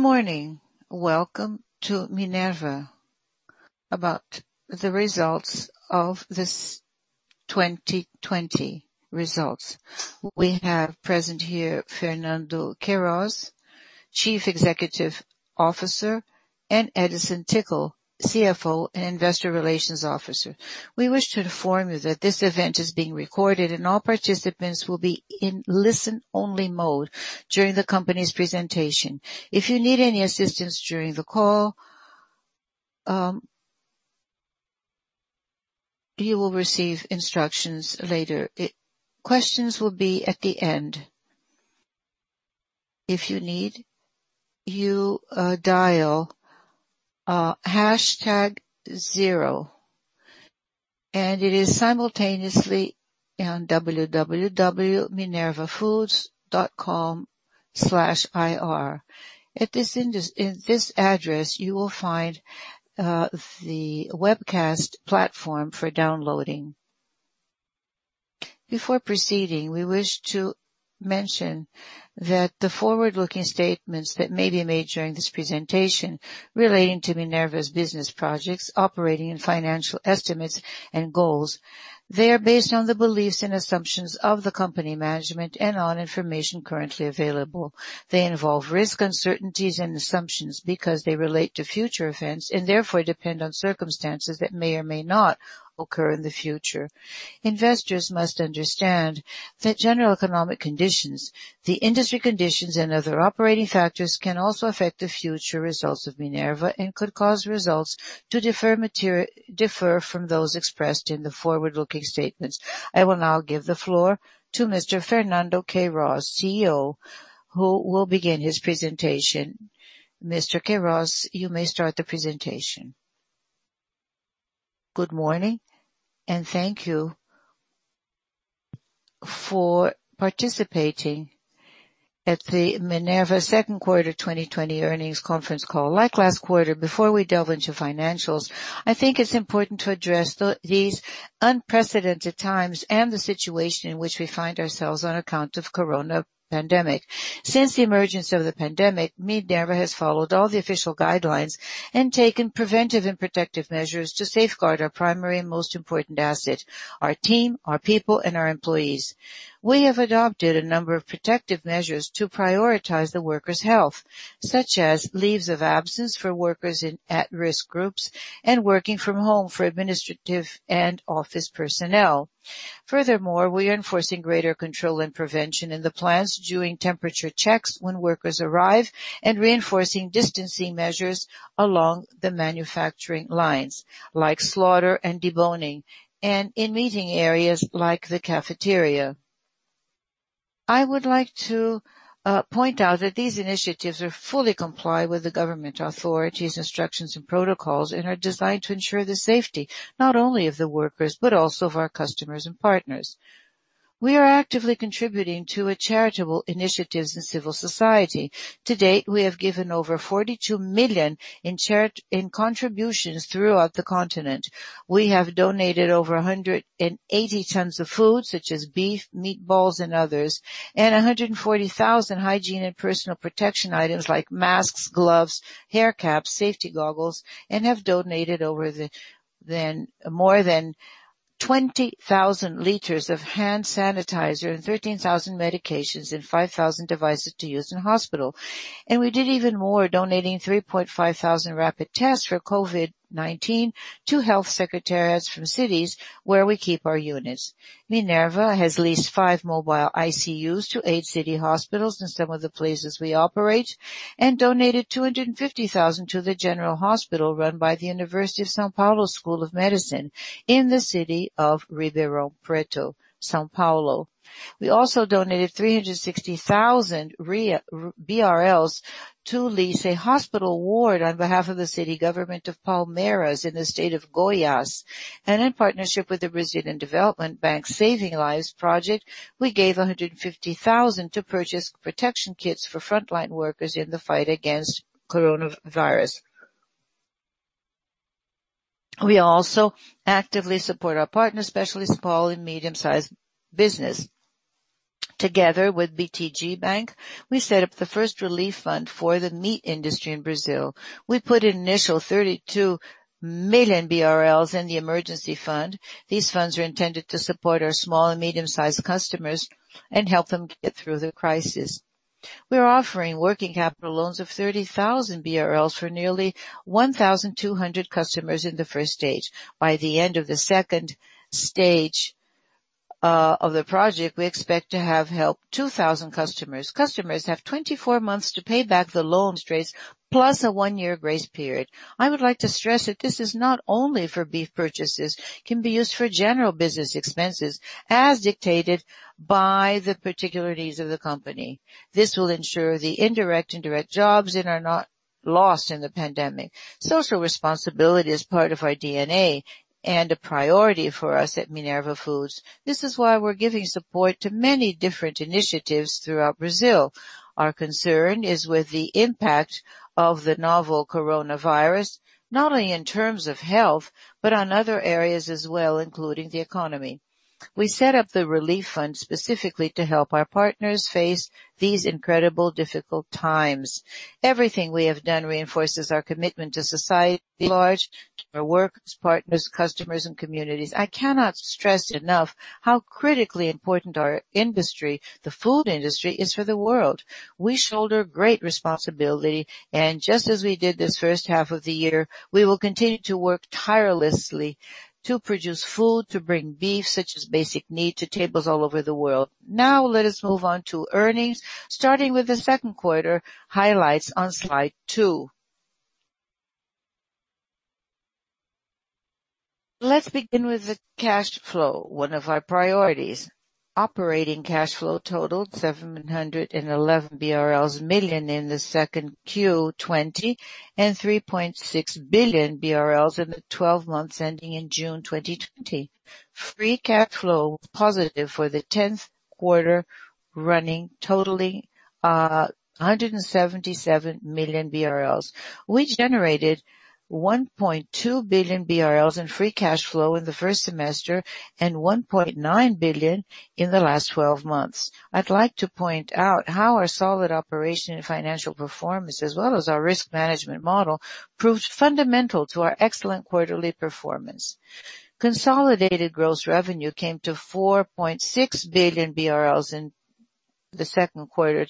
Good morning. Welcome to Minerva. About the results of this 2020 results. We have present here Fernando Queiroz, Chief Executive Officer, and Edison Ticle, CFO and Investor Relations Officer. We wish to inform you that this event is being recorded, and all participants will be in listen-only mode during the company's presentation. If you need any assistance during the call, you will receive instructions later. Questions will be at the end. If you need, you dial hash tag zero, and it is simultaneously on www.minervafoods.com/ir. In this address, you will find the webcast platform for downloading. Before proceeding, we wish to mention that the forward-looking statements that may be made during this presentation relating to Minerva's business projects, operating and financial estimates, and goals, they are based on the beliefs and assumptions of the company management and on information currently available. They involve risk uncertainties and assumptions because they relate to future events and therefore depend on circumstances that may or may not occur in the future. Investors must understand that general economic conditions, the industry conditions, and other operating factors can also affect the future results of Minerva and could cause results to differ from those expressed in the forward-looking statements. I will now give the floor to Mr. Fernando Queiroz, CEO, who will begin his presentation. Mr. Queiroz, you may start the presentation. Good morning, and thank you for participating at the Minerva second quarter 2020 earnings conference call. Like last quarter, before we delve into financials, I think it's important to address these unprecedented times and the situation in which we find ourselves on account of coronavirus pandemic. Since the emergence of the pandemic, Minerva has followed all the official guidelines and taken preventive and protective measures to safeguard our primary and most important asset, our team, our people, and our employees. We have adopted a number of protective measures to prioritize the workers' health, such as leaves of absence for workers in at-risk groups and working from home for administrative and office personnel. Furthermore, we are enforcing greater control and prevention in the plants doing temperature checks when workers arrive and reinforcing distancing measures along the manufacturing lines, like slaughter and deboning, and in meeting areas like the cafeteria. I would like to point out that these initiatives are fully comply with the government authorities' instructions and protocols and are designed to ensure the safety not only of the workers, but also of our customers and partners. We are actively contributing to a charitable initiatives in civil society. To date, we have given over 42 million in contributions throughout the continent. We have donated over 180 tons of food, such as beef, meatballs, and others, and 140,000 hygiene and personal protection items like masks, gloves, hair caps, safety goggles, and have donated 20,000 liters of hand sanitizer and 13,000 medications and 5,000 devices to use in hospital. We did even more donating 3,500 rapid tests for COVID-19 to health secretaries from cities where we keep our units. Minerva has leased five mobile ICUs to eight city hospitals in some of the places we operate and donated 250,000 to the general hospital run by the University of São Paulo School of Medicine in the city of Ribeirão Preto, São Paulo. We also donated 360,000 BRL to lease a hospital ward on behalf of the city government of Palmeiras in the state of Goiás. In partnership with the Brazilian Development Bank Saving Lives project, we gave 150,000 to purchase protection kits for frontline workers in the fight against coronavirus. We also actively support our partners, especially small and medium-sized business. Together with BTG Bank, we set up the first relief fund for the meat industry in Brazil. We put initial 32 million BRL in the emergency fund. These funds are intended to support our small and medium-sized customers and help them get through the crisis. We are offering working capital loans of 30,000 BRL for nearly 1,200 customers in the stage 1. By the end of the stage two of the project, we expect to have helped 2,000 customers. Customers have 24 months to pay back the loans trace plus a one-year grace period. I would like to stress that this is not only for beef purchases, can be used for general business expenses as dictated by the particularities of the company. This will ensure the indirect and direct jobs and are not lost in the pandemic. Social responsibility is part of our DNA and a priority for us at Minerva Foods. This is why we're giving support to many different initiatives throughout Brazil. Our concern is with the impact of the novel coronavirus, not only in terms of health, but on other areas as well, including the economy. We set up the relief fund specifically to help our partners face these incredible difficult times. Everything we have done reinforces our commitment to society at large, our workers, partners, customers, and communities. I cannot stress enough how critically important our industry, the food industry, is for the world. We shoulder great responsibility, and just as we did this first half of the year, we will continue to work tirelessly to produce food, to bring beef, such a basic need, to tables all over the world. Let us move on to earnings, starting with the second quarter highlights on slide two. Let's begin with the cash flow, one of our priorities. Operating cash flow totaled 711 million BRL in the second quarter 2020, and 3.6 billion BRL in the 12 months ending in June 2020. Free cash flow was positive for the 10th quarter running, totaling 177 million BRL. We generated 1.2 billion BRL in free cash flow in the first semester and 1.9 billion in the last 12 months. I'd like to point out how our solid operation and financial performance, as well as our risk management model, proved fundamental to our excellent quarterly performance. Consolidated gross revenue came to 4.6 billion BRL in the second quarter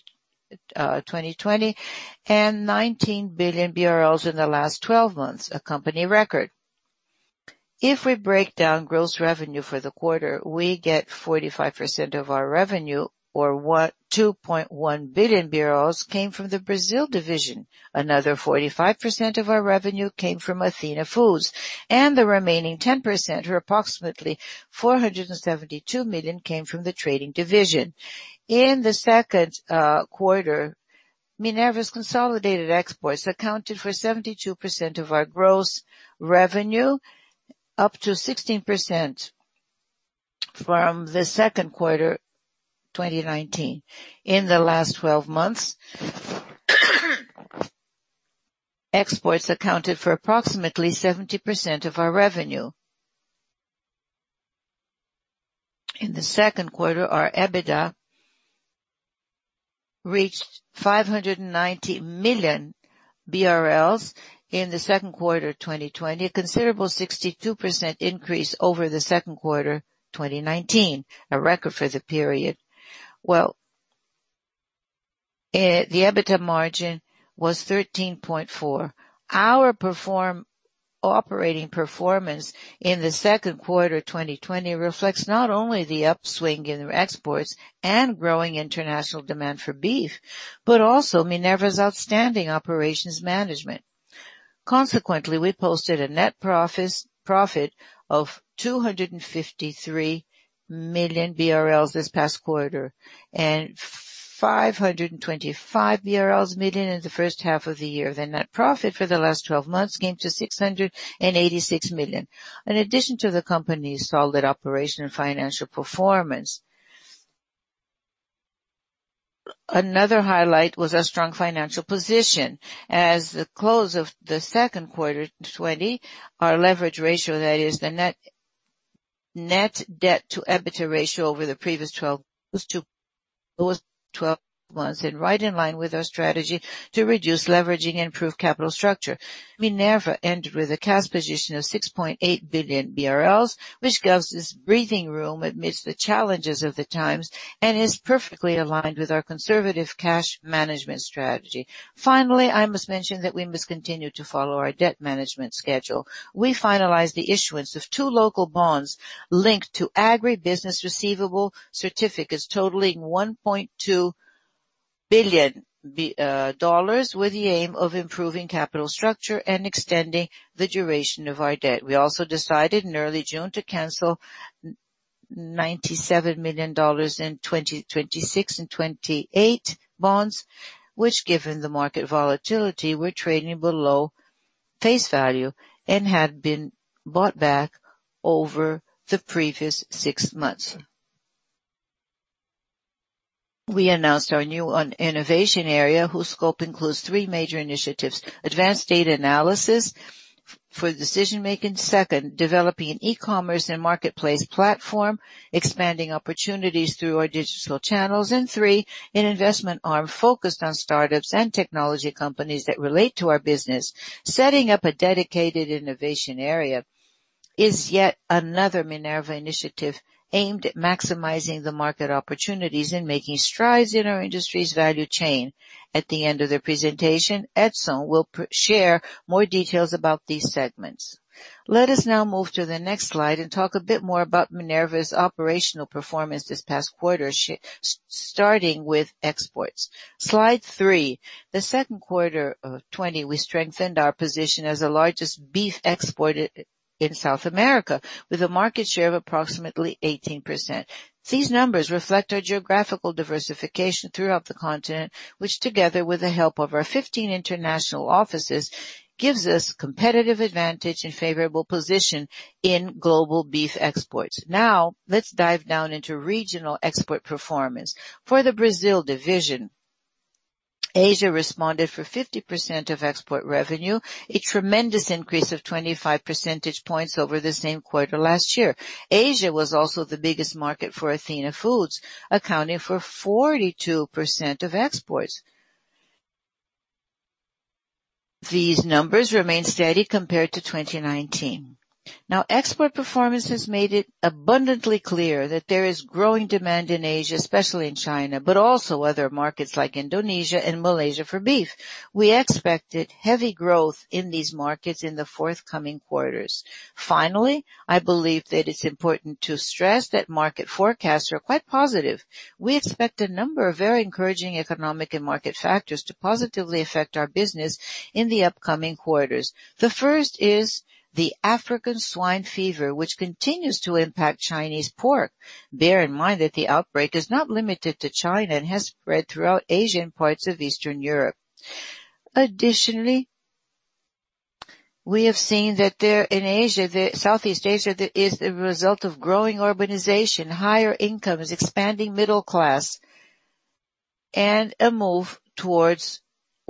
of 2020 and 19 billion BRL in the last 12 months, a company record. If we break down gross revenue for the quarter, we get 45% of our revenue or 2.1 billion BRL came from the Brazil division. Another 45% of our revenue came from Athena Foods, and the remaining 10%, or approximately 472 million, came from the trading division. In the second quarter, Minerva's consolidated exports accounted for 72% of our gross revenue, up to 16% from the second quarter 2019. In the last 12 months, exports accounted for approximately 70% of our revenue. In the second quarter, our EBITDA reached BRL 590 million in the second quarter 2020, a considerable 62% increase over the second quarter 2019, a record for the period. Well, the EBITDA margin was 13.4. Our operating performance in the second quarter 2020 reflects not only the upswing in exports and growing international demand for beef, but also Minerva's outstanding operations management. We posted a net profit of 253 million BRL this past quarter and 525 million BRL in the first half of the year. The net profit for the last 12 months came to 686 million. In addition to the company's solid operation and financial performance, another highlight was our strong financial position. As of the close of the second quarter, 2020, our leverage ratio, that is the net debt to EBITDA ratio over the previous 12 months, and right in line with our strategy to reduce leveraging and improve capital structure. Minerva ended with a cash position of 6.8 billion BRL, which gives us breathing room amidst the challenges of the times and is perfectly aligned with our conservative cash management strategy. I must mention that we must continue to follow our debt management schedule. We finalized the issuance of two local bonds linked to Agribusiness Receivables Certificates totaling BRL 1.2 billion, with the aim of improving capital structure and extending the duration of our debt. We also decided in early June to cancel BRL 97 million in 2026 and 2028 bonds, which, given the market volatility, were trading below face value and had been bought back over the previous six months. We announced our new innovation area, whose scope includes three major initiatives. Advanced data analysis for decision-making. Second, developing an e-commerce and marketplace platform, expanding opportunities through our digital channels. Three, an investment arm focused on startups and technology companies that relate to our business. Setting up a dedicated innovation area is yet another Minerva initiative aimed at maximizing the market opportunities and making strides in our industry's value chain. At the end of the presentation, Edson will share more details about these segments. Let us now move to the next slide and talk a bit more about Minerva's operational performance this past quarter, starting with exports. Slide three. The second quarter of 2020, we strengthened our position as the largest beef exporter in South America with a market share of approximately 18%. These numbers reflect our geographical diversification throughout the continent, which together with the help of our 15 international offices, gives us competitive advantage and favorable position in global beef exports. Let's dive down into regional export performance. For the Brazil division, Asia responded for 50% of export revenue, a tremendous increase of 25 percentage points over the same quarter last year. Asia was also the biggest market for Athena Foods, accounting for 42% of exports. These numbers remain steady compared to 2019. Export performance has made it abundantly clear that there is growing demand in Asia, especially in China, but also other markets like Indonesia and Malaysia for beef. We expected heavy growth in these markets in the forthcoming quarters. I believe that it's important to stress that market forecasts are quite positive. We expect a number of very encouraging economic and market factors to positively affect our business in the upcoming quarters. The first is the African swine fever, which continues to impact Chinese pork. Bear in mind that the outbreak is not limited to China and has spread throughout Asian parts of Eastern Europe. We have seen that there in Asia, Southeast Asia, is a result of growing urbanization, higher incomes, expanding middle class, and a move towards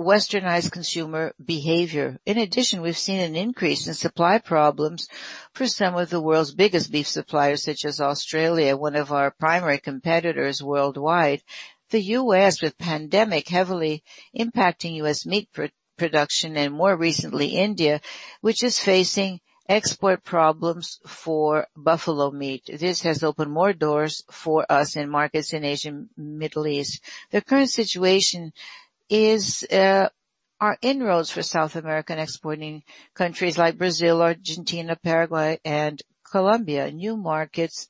Westernized consumer behavior. We've seen an increase in supply problems for some of the world's biggest beef suppliers, such as Australia, one of our primary competitors worldwide, the U.S., with pandemic heavily impacting U.S. meat production, and more recently, India, which is facing export problems for buffalo meat. This has opened more doors for us in markets in Asia and Middle East. The current situation are inroads for South American exporting countries like Brazil, Argentina, Paraguay, and Colombia, new markets.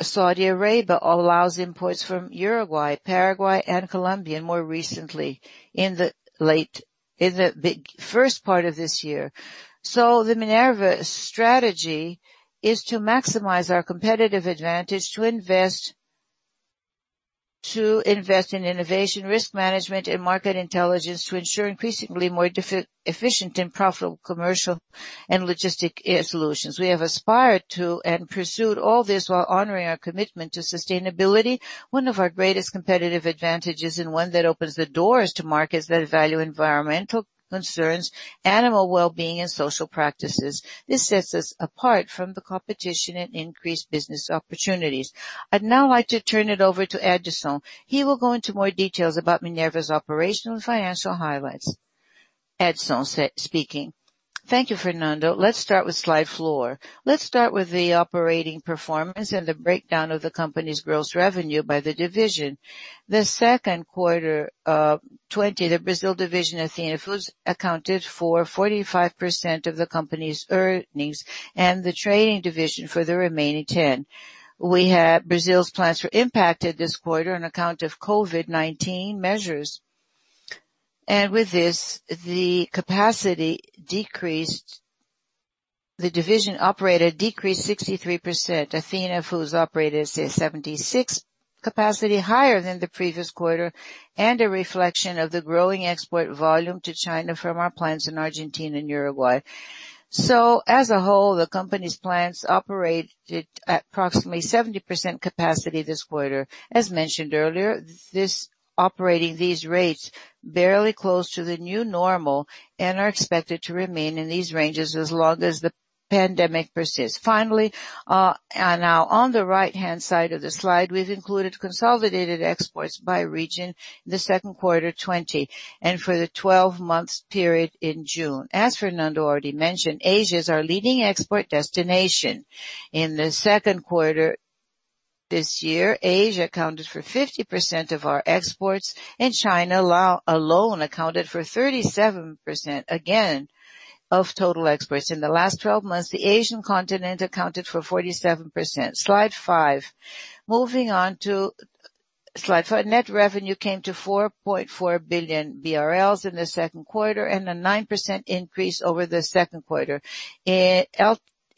Saudi Arabia allows imports from Uruguay, Paraguay, and Colombia more recently in the first part of this year. The Minerva strategy is to maximize our competitive advantage to invest in innovation, risk management, and market intelligence to ensure increasingly more efficient and profitable commercial and logistic solutions. We have aspired to and pursued all this while honoring our commitment to sustainability, one of our greatest competitive advantages and one that opens the doors to markets that value environmental concerns, animal wellbeing, and social practices. This sets us apart from the competition and increased business opportunities. I'd now like to turn it over to Edson. He will go into more details about Minerva's operational and financial highlights. Edson speaking. Thank you, Fernando. Let's start with slide four. Let's start with the operating performance and the breakdown of the company's gross revenue by division. The second quarter of 2020, the Brazil division, Athena Foods, accounted for 45% of the company's earnings and the trading division for the remaining 10%. Brazil's plants were impacted this quarter on account of COVID-19 measures. With this, the capacity decreased. The division operated decreased 63%. Athena Foods operated at 76% capacity, higher than the previous quarter, and a reflection of the growing export volume to China from our plants in Argentina and Uruguay. As a whole, the company's plants operated at approximately 70% capacity this quarter. As mentioned earlier, operating these rates barely close to the new normal and are expected to remain in these ranges as long as the pandemic persists. Finally, now on the right-hand side of the slide, we've included consolidated exports by region in the second quarter 2020 and for the 12-month period in June. As Fernando already mentioned, Asia is our leading export destination. In the second quarter this year, Asia accounted for 50% of our exports, and China alone accounted for 37%, again, of total exports. In the last 12 months, the Asian continent accounted for 47%. Slide five. Moving on to Slide five, net revenue came to 4.4 billion BRL in the second quarter and a 9% increase over the second quarter.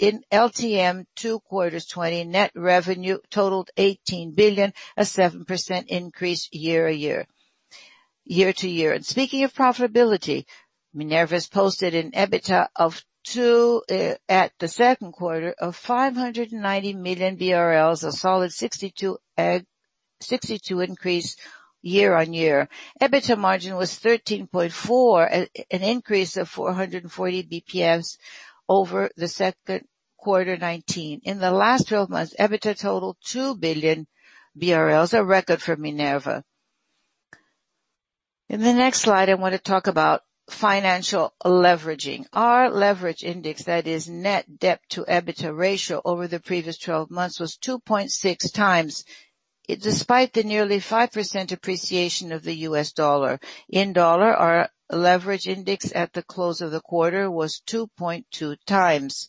In LTM, two quarters 2020, net revenue totaled 18 billion, a 7% increase year-to-year. Speaking of profitability, Minerva's posted an EBITDA at the second quarter of 590 million BRL, a solid 62% increase year-on-year. EBITDA margin was 13.4%, an increase of 440 basis points over the second quarter 2019. In the last 12 months, EBITDA totaled 2 billion BRL, a record for Minerva. In the next slide, I want to talk about financial leveraging. Our leverage index, that is net debt to EBITDA ratio over the previous 12 months, was 2.6x, despite the nearly 5% appreciation of the U.S. dollar. In dollar, our leverage index at the close of the quarter was 2.2x.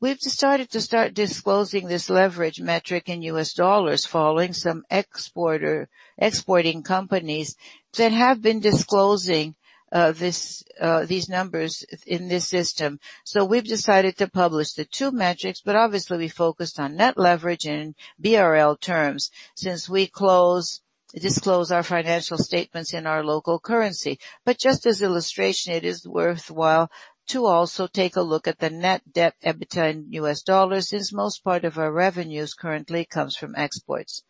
We've decided to start disclosing this leverage metric in U.S. dollars following some exporting companies that have been disclosing these numbers in this system. We've decided to publish the two metrics, but obviously we focused on net leverage in BRL terms since we disclose our financial statements in our local currency. Just as illustration, it is worthwhile to also take a look at the net debt EBITDA in U.S. dollars, since most part of our revenues currently comes from exports.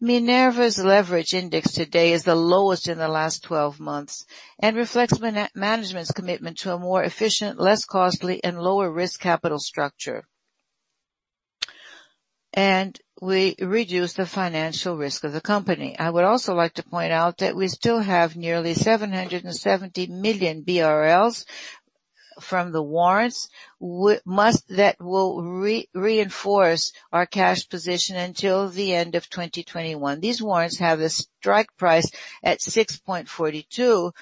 Minerva's leverage index today is the lowest in the last 12 months and reflects management's commitment to a more efficient, less costly, and lower risk capital structure. We reduced the financial risk of the company. I would also like to point out that we still have nearly 770 million BRL from the warrants. That will reinforce our cash position until the end of 2021. These warrants have a strike price at 6.42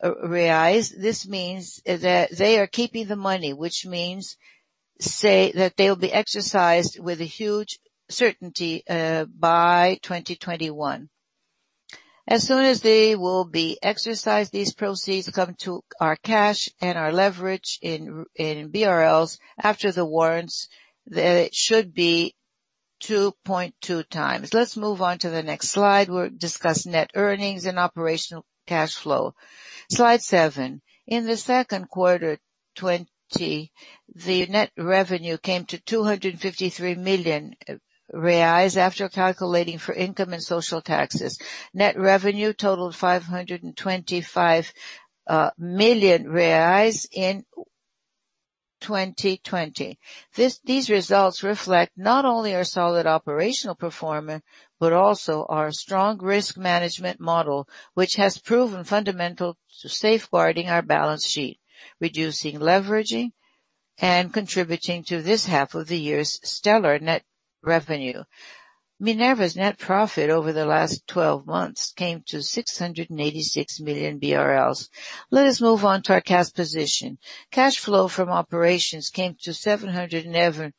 reais. This means that they are keeping the money, which means that they'll be exercised with a huge certainty by 2021. As soon as they will be exercised, these proceeds come to our cash and our leverage in BRL. After the warrants, it should be 2.2x. Let's move on to the next slide. We'll discuss net earnings and operational cash flow. Slide seven. In the second quarter 2020, the net revenue came to 253 million reais after calculating for income and social taxes. Net revenue totaled 525 million reais in 2020. These results reflect not only our solid operational performance, but also our strong risk management model, which has proven fundamental to safeguarding our balance sheet, reducing leveraging and contributing to this half of the year's stellar net revenue. Minerva's net profit over the last 12 months came to 686 million BRL. Let us move on to our cash position. Cash flow from operations came to 711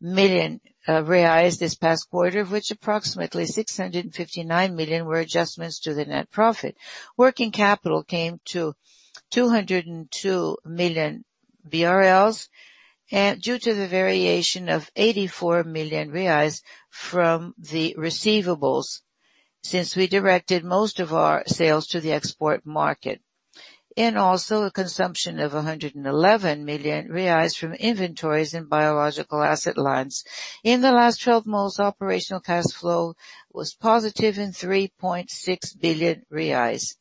million reais this past quarter, of which approximately 659 million were adjustments to the net profit. Working capital came to 202 million BRL due to the variation of 84 million reais from the receivables, since we directed most of our sales to the export market. Also a consumption of 111 million reais from inventories and biological asset lines. In the last 12 months, operational cash flow was positive in 3.6 billion reais.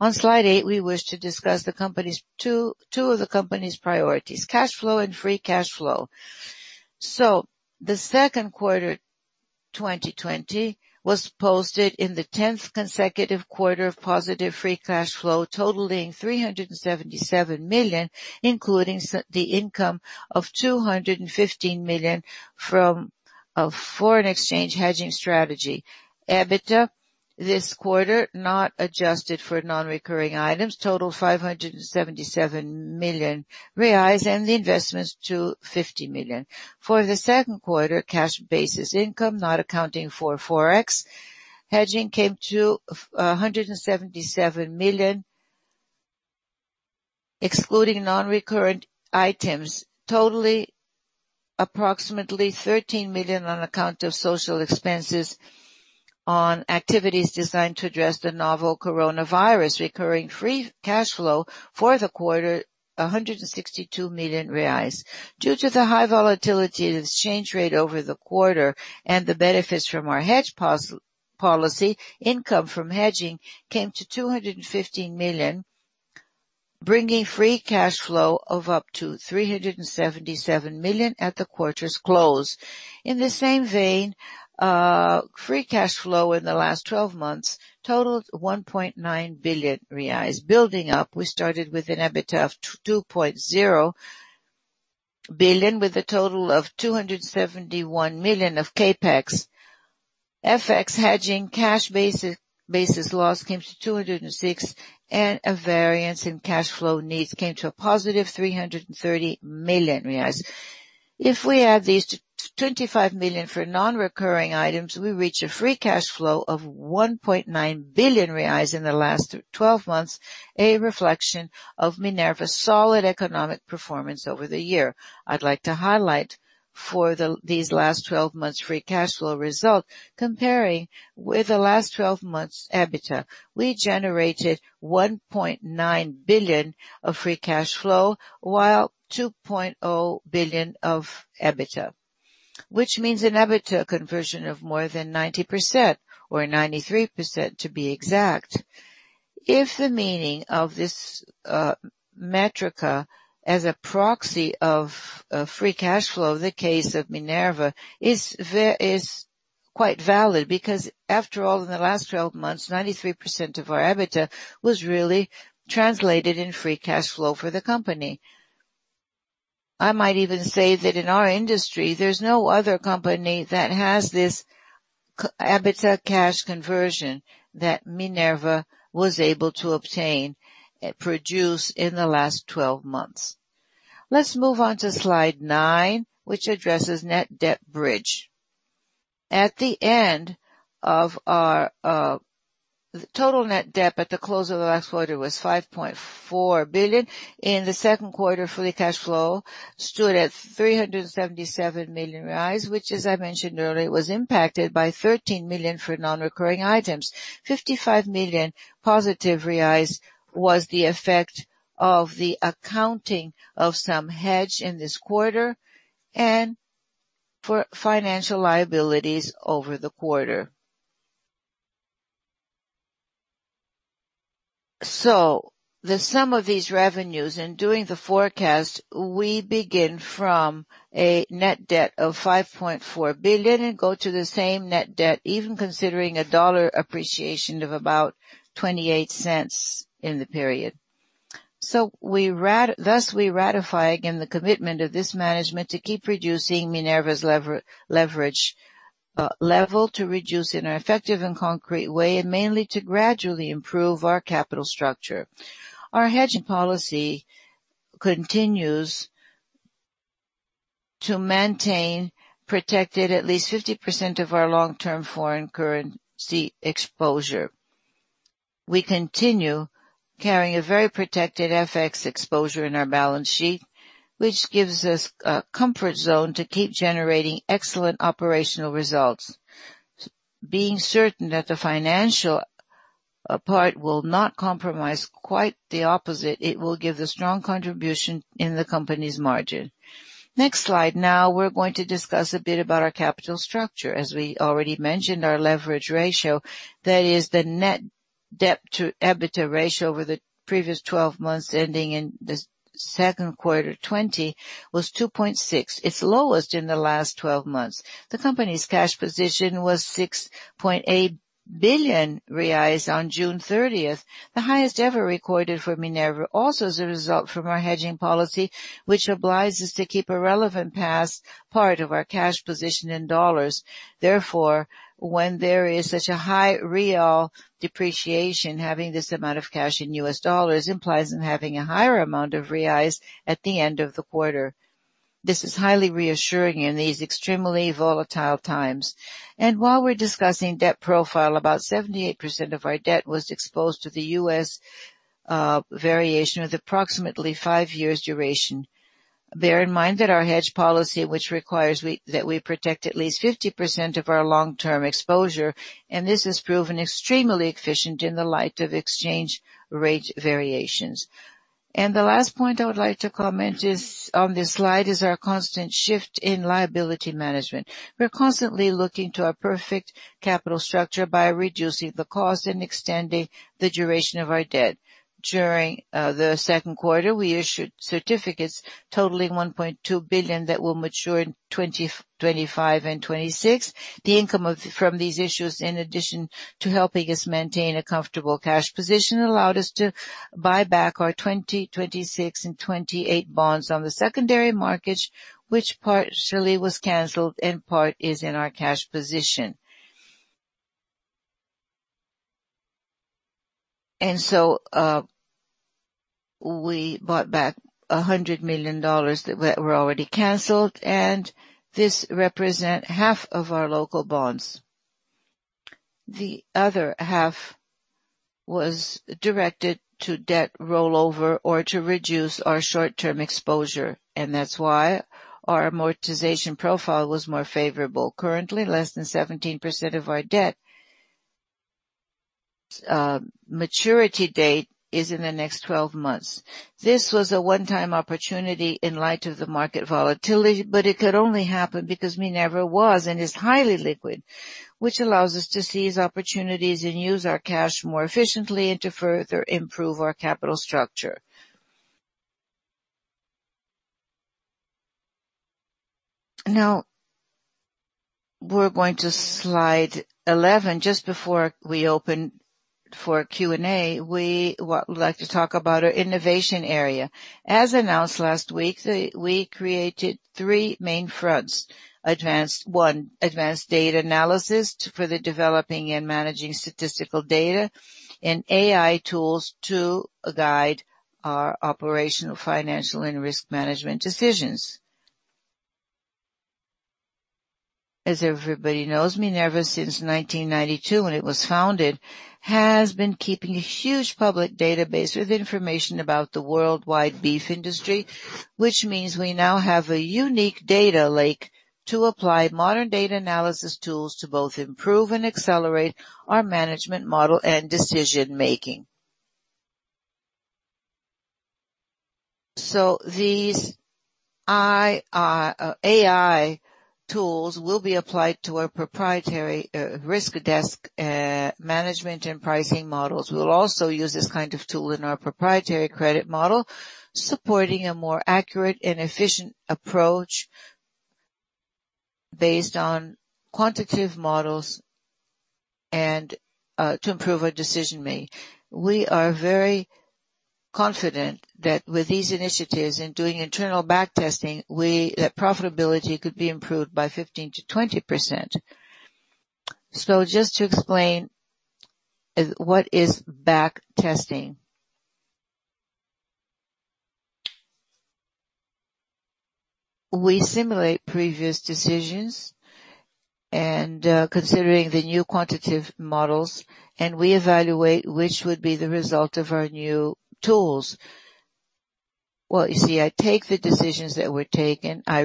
On slide eight, we wish to discuss two of the company's priorities, cash flow and free cash flow. The second quarter 2020 was posted in the 10th consecutive quarter of positive free cash flow, totaling 377 million BRL, including the income of 215 million BRL from a foreign exchange hedging strategy. EBITDA this quarter, not adjusted for non-recurring items, totaled 577 million reais, and the investments to 50 million BRL. For the second quarter, cash basis income, not accounting for Forex hedging, came to 177 million BRL, excluding non-recurrent items. Totally approximately 13 million on account of social expenses on activities designed to address COVID-19. Recurring free cash flow for the quarter, 162 million reais. Due to the high volatility of the exchange rate over the quarter and the benefits from our hedge policy, income from hedging came to 215 million, bringing free cash flow of up to 377 million at the quarter's close. In the same vein, free cash flow in the last 12 months totaled 1.9 billion reais. Building up, we started with an EBITDA of 2.0 billion, with a total of 271 million of CapEx. FX hedging cash basis loss came to 206, and a variance in cash flow needs came to a positive 330 million reais. If we add these 25 million for non-recurring items, we reach a free cash flow of 1.9 billion reais in the last 12 months, a reflection of Minerva's solid economic performance over the year. I'd like to highlight for these last 12 months' free cash flow result, comparing with the last 12 months' EBITDA. We generated 1.9 billion of free cash flow, while 2.0 billion of EBITDA. Which means an EBITDA conversion of more than 90%, or 93% to be exact. If the meaning of this metric as a proxy of free cash flow, the case of Minerva is quite valid. Because after all, in the last 12 months, 93% of our EBITDA was really translated in free cash flow for the company. I might even say that in our industry, there's no other company that has this EBITDA cash conversion that Minerva was able to obtain, produce in the last 12 months. Let's move on to slide nine, which addresses net debt bridge. The total net debt at the close of the last quarter was 5.4 billion. In the second quarter, free cash flow stood at 377 million reais, which as I mentioned earlier, was impacted by 13 million for non-recurring items. 55 million reais positive was the effect of the accounting of some hedge in this quarter and for financial liabilities over the quarter. The sum of these revenues in doing the forecast, we begin from a net debt of 5.4 billion and go to the same net debt, even considering a dollar appreciation of about $0.28 in the period. We ratify again the commitment of this management to keep reducing Minerva's leverage level, to reduce in an effective and concrete way, and mainly to gradually improve our capital structure. Our hedging policy continues to maintain, protected at least 50% of our long-term foreign currency exposure. We continue carrying a very protected FX exposure in our balance sheet, which gives us a comfort zone to keep generating excellent operational results. Being certain that the financial part will not compromise, quite the opposite, it will give a strong contribution in the company's margin. Next slide. We're going to discuss a bit about our capital structure. As we already mentioned, our leverage ratio, that is the net debt to EBITDA ratio over the previous 12 months ending in the second quarter 2020, was 2.6, its lowest in the last 12 months. The company's cash position was 6.8 billion reais on June 30th, the highest ever recorded for Minerva, also as a result from our hedging policy, which obliges us to keep a relevant part of our cash position in U.S. dollars. When there is such a high Real depreciation, having this amount of cash in U.S. dollars implies in having a higher amount of reais at the end of the quarter. This is highly reassuring in these extremely volatile times. While we're discussing debt profile, about 78% of our debt was exposed to the U.S. variation with approximately five years duration. Bear in mind that our hedge policy, which requires that we protect at least 50% of our long-term exposure, this has proven extremely efficient in the light of exchange rate variations. The last point I would like to comment on this slide is our constant shift in liability management. We're constantly looking to our perfect capital structure by reducing the cost and extending the duration of our debt. During the second quarter, we issued certificates totaling 1.2 billion that will mature in 2025 and 2026. The income from these issues, in addition to helping us maintain a comfortable cash position, allowed us to buy back our 2026 and 2028 bonds on the secondary market, which partially was canceled and part is in our cash position. We bought back $100 million that were already canceled, and this represent half of our local bonds. The other half was directed to debt rollover or to reduce our short-term exposure. That's why our amortization profile was more favorable. Currently, less than 17% of our debt maturity date is in the next 12 months. This was a one-time opportunity in light of the market volatility, but it could only happen because Minerva was and is highly liquid, which allows us to seize opportunities and use our cash more efficiently and to further improve our capital structure. Now we're going to slide 11. Just before we open for Q&A, we would like to talk about our innovation area. As announced last week, we created three main fronts. One, advanced data analysis for the developing and managing statistical data and AI tools to guide our operational, financial, and risk management decisions. As everybody knows, Minerva, since 1992 when it was founded, has been keeping a huge public database with information about the worldwide beef industry, which means we now have a unique data lake to apply modern data analysis tools to both improve and accelerate our management model and decision-making. These AI tools will be applied to our proprietary risk desk management and pricing models. We will also use this kind of tool in our proprietary credit model, supporting a more accurate and efficient approach based on quantitative models and to improve our decision-making. We are very confident that with these initiatives in doing internal backtesting, that profitability could be improved by 15%-20%. Just to explain, what is backtesting? We simulate previous decisions and considering the new quantitative models, and we evaluate which would be the result of our new tools. Well, you see, I take the decisions that were taken. I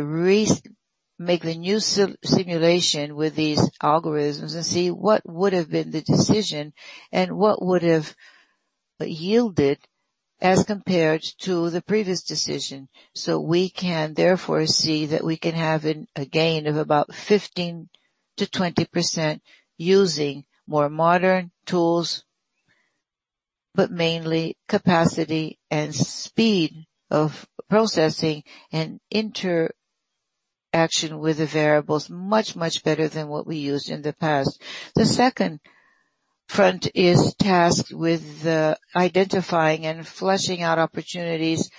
make the new simulation with these algorithms and see what would have been the decision and what would have yielded as compared to the previous decision. We can therefore see that we can have a gain of about 15%-20% using more modern tools, but mainly capacity and speed of processing and interaction with the variables much, much better than what we used in the past. The second front is tasked with identifying and fleshing out opportunities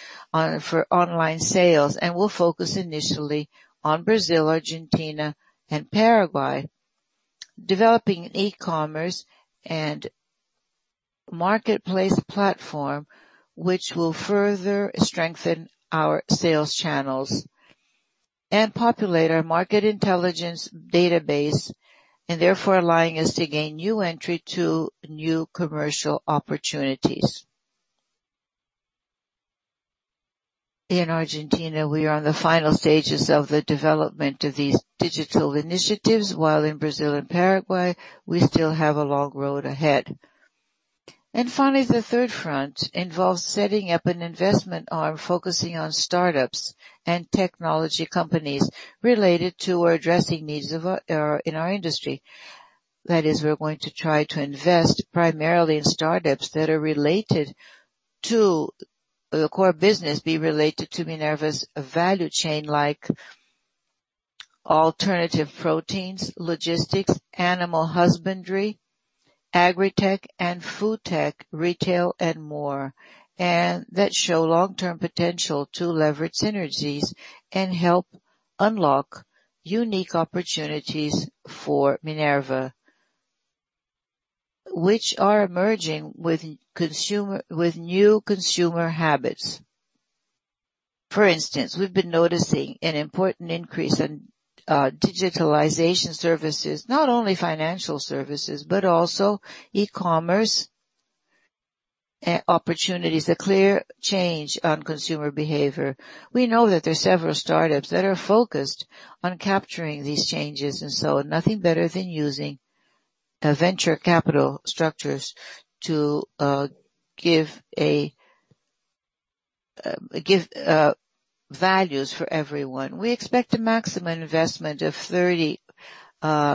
for online sales and will focus initially on Brazil, Argentina, and Paraguay, developing an e-commerce and marketplace platform, which will further strengthen our sales channels and populate our market intelligence database, and therefore allowing us to gain new entry to new commercial opportunities. In Argentina, we are on the final stages of the development of these digital initiatives, while in Brazil and Paraguay, we still have a long road ahead. Finally, the third front involves setting up an investment arm, focusing on startups and technology companies related to or addressing needs in our industry. That is, we're going to try to invest primarily in startups that are related to the core business, be related to Minerva's value chain like alternative proteins, logistics, animal husbandry, agritech and food tech, retail and more, and that show long-term potential to leverage synergies and help unlock unique opportunities for Minerva, which are emerging with new consumer habits. For instance, we've been noticing an important increase in digitalization services, not only financial services, but also e-commerce opportunities, a clear change on consumer behavior. We know that there's several startups that are focused on capturing these changes, nothing better than using venture capital structures to give values for everyone. We expect a maximum investment of $30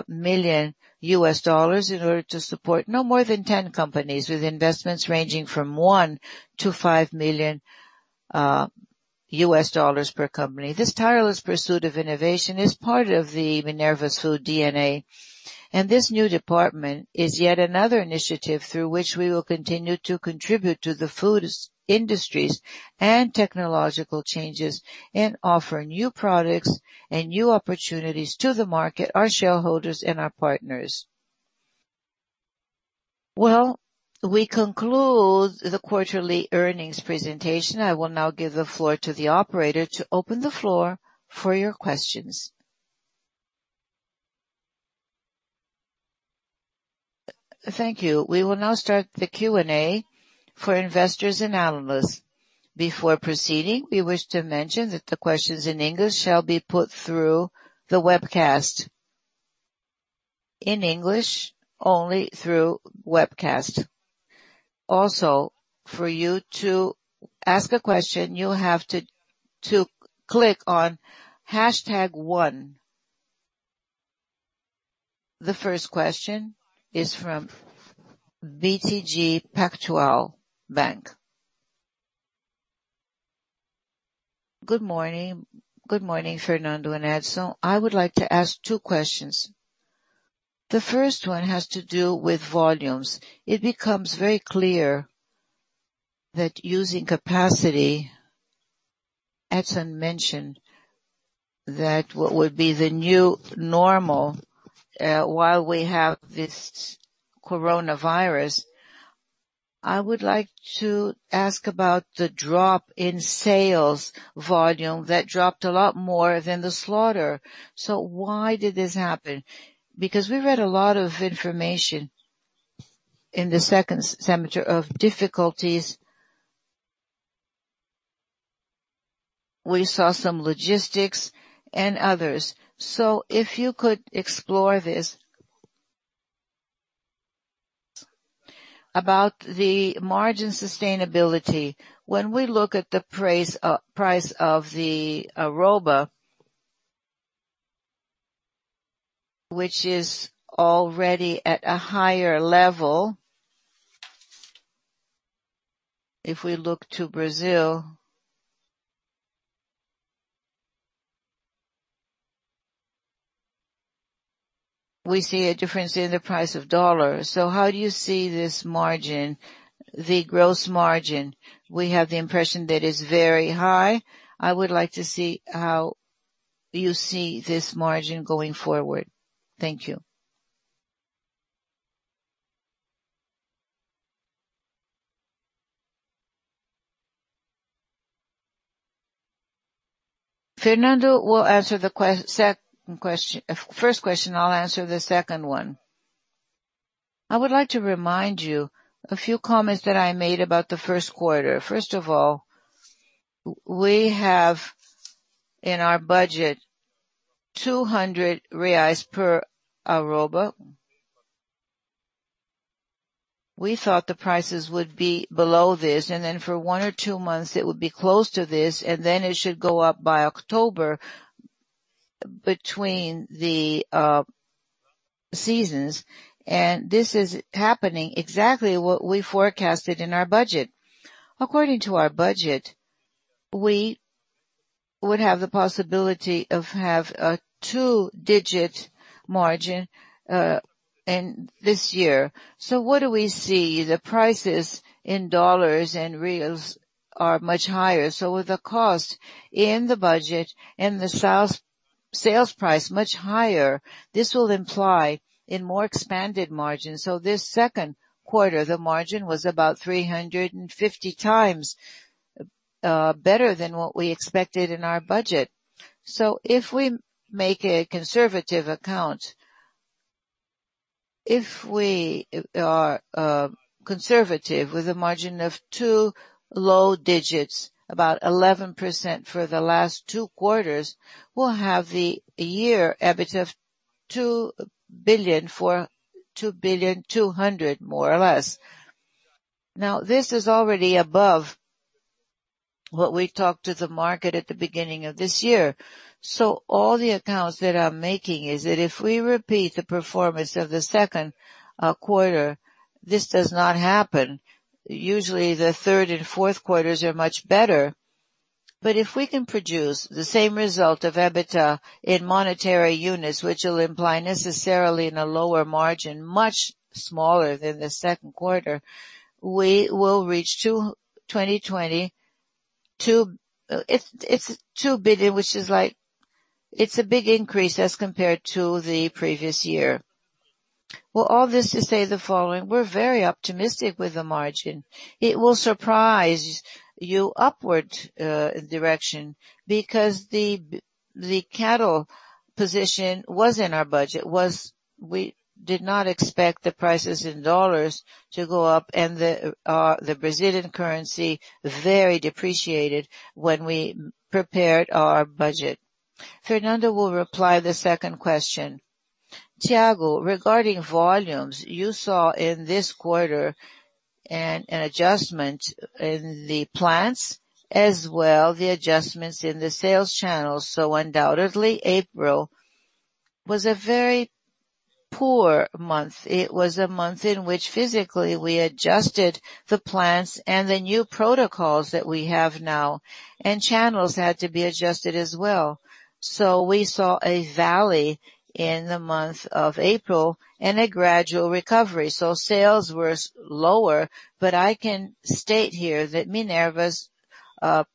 million in order to support no more than 10 companies, with investments ranging from $1 million-$5 million per company. This tireless pursuit of innovation is part of Minerva Foods' DNA, this new department is yet another initiative through which we will continue to contribute to the food industries and technological changes, offer new products and new opportunities to the market, our shareholders, and our partners. Well, we conclude the quarterly earnings presentation. I will now give the floor to the operator to open the floor for your questions. Thank you. We will now start the Q&A for investors and analysts. Before proceeding, we wish to mention that the questions in English shall be put through the webcast. In English, only through webcast. Also, for you to ask a question, you have to click on number one. The first question is from BTG Pactual. Good morning, Fernando and Edson. I would like to ask two questions. The first one has to do with volumes. It becomes very clear that using capacity, Edson mentioned that what would be the new normal while we have this coronavirus. I would like to ask about the drop in sales volume that dropped a lot more than the slaughter. Why did this happen? We read a lot of information in the second semester of difficulties. We saw some logistics and others. If you could explore this? About the margin sustainability, when we look at the price of the arroba, which is already at a higher level, if we look to Brazil, we see a difference in the price of dollars. How do you see this margin, the gross margin? We have the impression that it's very high. I would like to see how you see this margin going forward. Thank you. Fernando will answer the first question. I'll answer the second one. I would like to remind you a few comments that I made about the first quarter. First of all, we have in our budget 200 reais per arroba. We thought the prices would be below this, and then for one or two months, it would be close to this, and then it should go up by October, between the seasons. This is happening exactly what we forecasted in our budget. According to our budget, we would have the possibility of have a two-digit margin this year. What do we see? The prices in USD and BRL are much higher. With the cost in the budget and the sales price much higher, this will imply in more expanded margins. This second quarter, the margin was about 350x better than what we expected in our budget. If we make a conservative account, if we are conservative with a margin of two low digits, about 11% for the last two quarters, we'll have the year EBIT of 2 billion for 2.2 billion, more or less. Now, this is already above what we talked to the market at the beginning of this year. All the accounts that I'm making is that if we repeat the performance of the second quarter, this does not happen. Usually, the third and fourth quarters are much better. If we can produce the same result of EBITDA in monetary units, which will imply necessarily in a lower margin, much smaller than the second quarter, we will reach 2020, it's R$2 billion, it's a big increase as compared to the previous year. All this to say the following, we're very optimistic with the margin. It will surprise you upward direction because the cattle position was in our budget. We did not expect the prices in dollars to go up and the Brazilian currency very depreciated when we prepared our budget. Fernando will reply the second question. Thiago, regarding volumes, you saw in this quarter an adjustment in the plants as well the adjustments in the sales channels. Undoubtedly, April was a very poor month. It was a month in which physically we adjusted the plants and the new protocols that we have now. Channels had to be adjusted as well. We saw a valley in the month of April and a gradual recovery. Sales were lower, but I can state here that Minerva's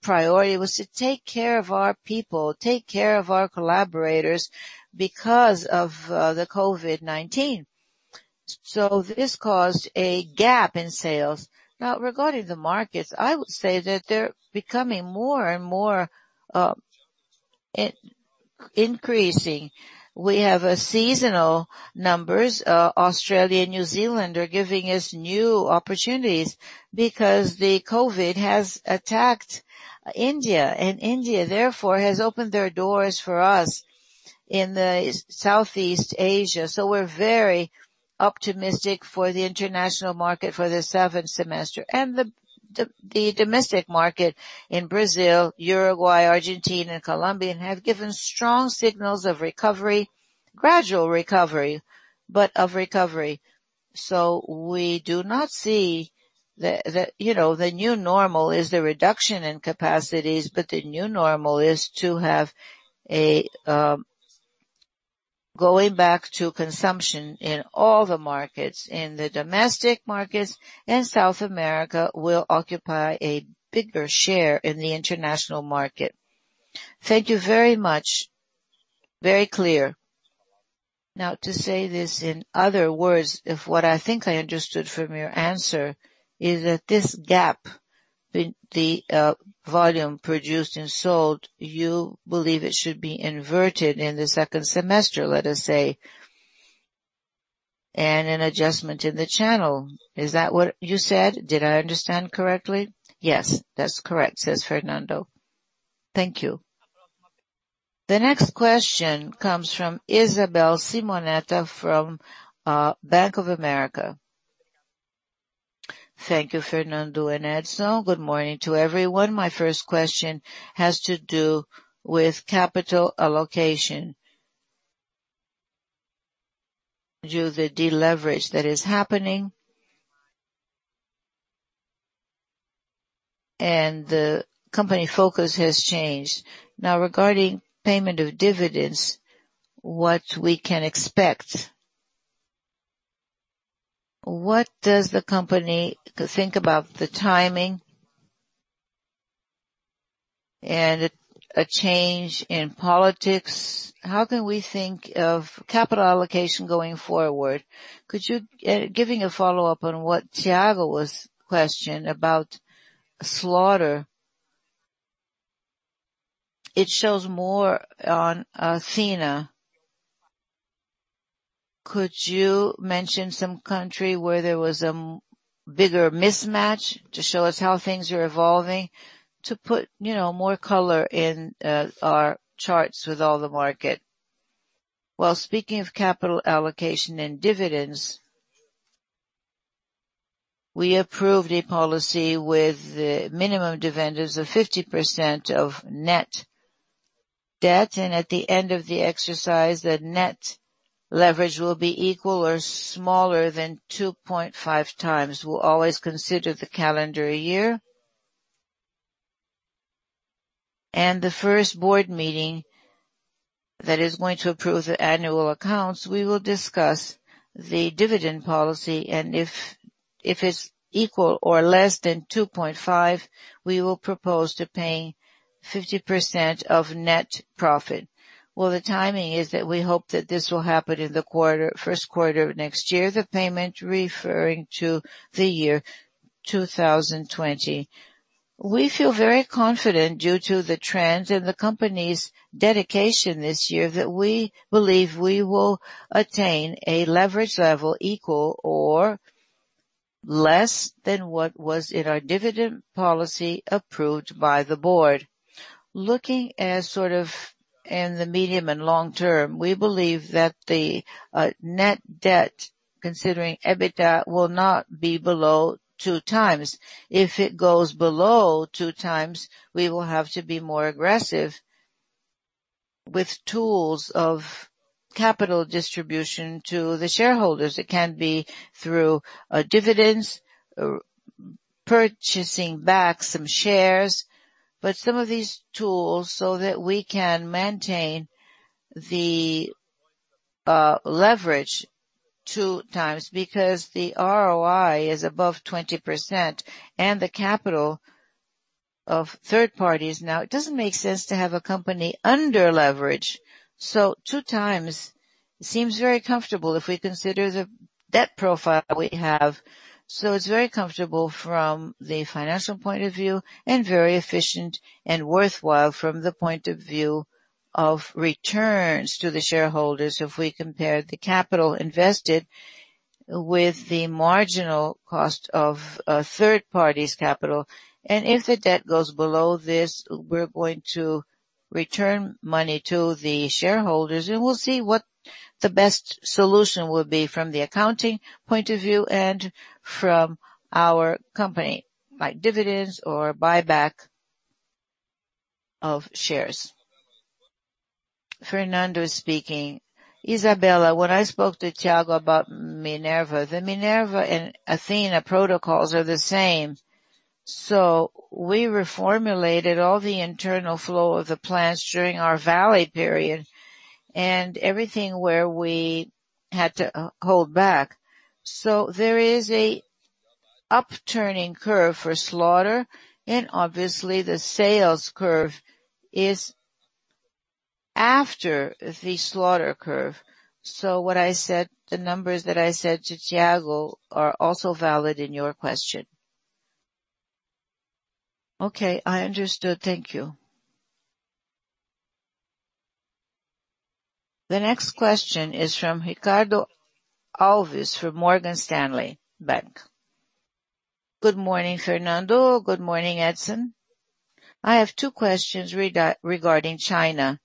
priority was to take care of our people, take care of our collaborators because of the COVID-19. This caused a gap in sales. Regarding the markets, I would say that they're becoming more and more increasing. We have seasonal numbers. Australia and New Zealand are giving us new opportunities because the COVID has attacked India. India, therefore, has opened their doors for us in the Southeast Asia. We're very optimistic for the international market for the seventh semester. The domestic market in Brazil, Uruguay, Argentina, Colombia have given strong signals of recovery, gradual recovery, but of recovery. The new normal is the reduction in capacities, but the new normal is to have a going back to consumption in all the markets. The domestic markets and South America will occupy a bigger share in the international market. Thank you very much. Very clear. To say this, in other words, if what I think I understood from your answer is that this gap, the volume produced and sold, you believe it should be inverted in the second semester, let us say, and an adjustment in the channel. Is that what you said? Did I understand correctly? Yes, that's correct, says Fernando. Thank you. The next question comes from Isabella Simonato from Bank of America. Thank you, Fernando and Edson. Good morning to everyone. My first question has to do with capital allocation. Due to the deleverage that is happening, and the company focus has changed. Now, regarding payment of dividends, what we can expect? What does the company think about the timing and a change in politics? How can we think of capital allocation going forward? Giving a follow-up on what Thiago was questioned about slaughter. It shows more on Athena. Could you mention some country where there was a bigger mismatch to show us how things are evolving, to put more color in our charts with all the market? Well, speaking of capital allocation and dividends, we approved a policy with the minimum dividend of 50% of net debt, and at the end of the exercise, the net leverage will be equal or smaller than 2.5x. We'll always consider the calendar year. The first board meeting that is going to approve the annual accounts, we will discuss the dividend policy, and if it's equal or less than 2.5, we will propose to pay 50% of net profit. Well, the timing is that we hope that this will happen in the first quarter of next year, the payment referring to the year 2020. We feel very confident due to the trends and the company's dedication this year that we believe we will attain a leverage level equal or less than what was in our dividend policy approved by the board. Looking at sort of in the medium and long term, we believe that the net debt, considering EBITDA, will not be below 2x. If it goes below 2x, we will have to be more aggressive with tools of capital distribution to the shareholders. It can be through dividends, purchasing back some shares, but some of these tools so that we can maintain the leverage 2x because the ROI is above 20% and the capital of third parties now, it doesn't make sense to have a company under leverage. 2x seems very comfortable if we consider the debt profile we have. It's very comfortable from the financial point of view and very efficient and worthwhile from the point of view of returns to the shareholders if we compare the capital invested with the marginal cost of a third party's capital. If the debt goes below this, we're going to return money to the shareholders, and we'll see what the best solution will be from the accounting point of view and from our company, like dividends or buyback of shares. Fernando speaking. Isabella, when I spoke to Thiago about Minerva, the Minerva and Athena Foods protocols are the same. We reformulated all the internal flow of the plants during our valley period and everything where we had to hold back. There is an upturning curve for slaughter, and obviously the sales curve is after the slaughter curve. The numbers that I said to Thiago are also valid in your question. Okay, I understood. Thank you. The next question is from Ricardo Alves from Morgan Stanley Bank. Good morning, Fernando. Good morning, Edson. I have two questions regarding China.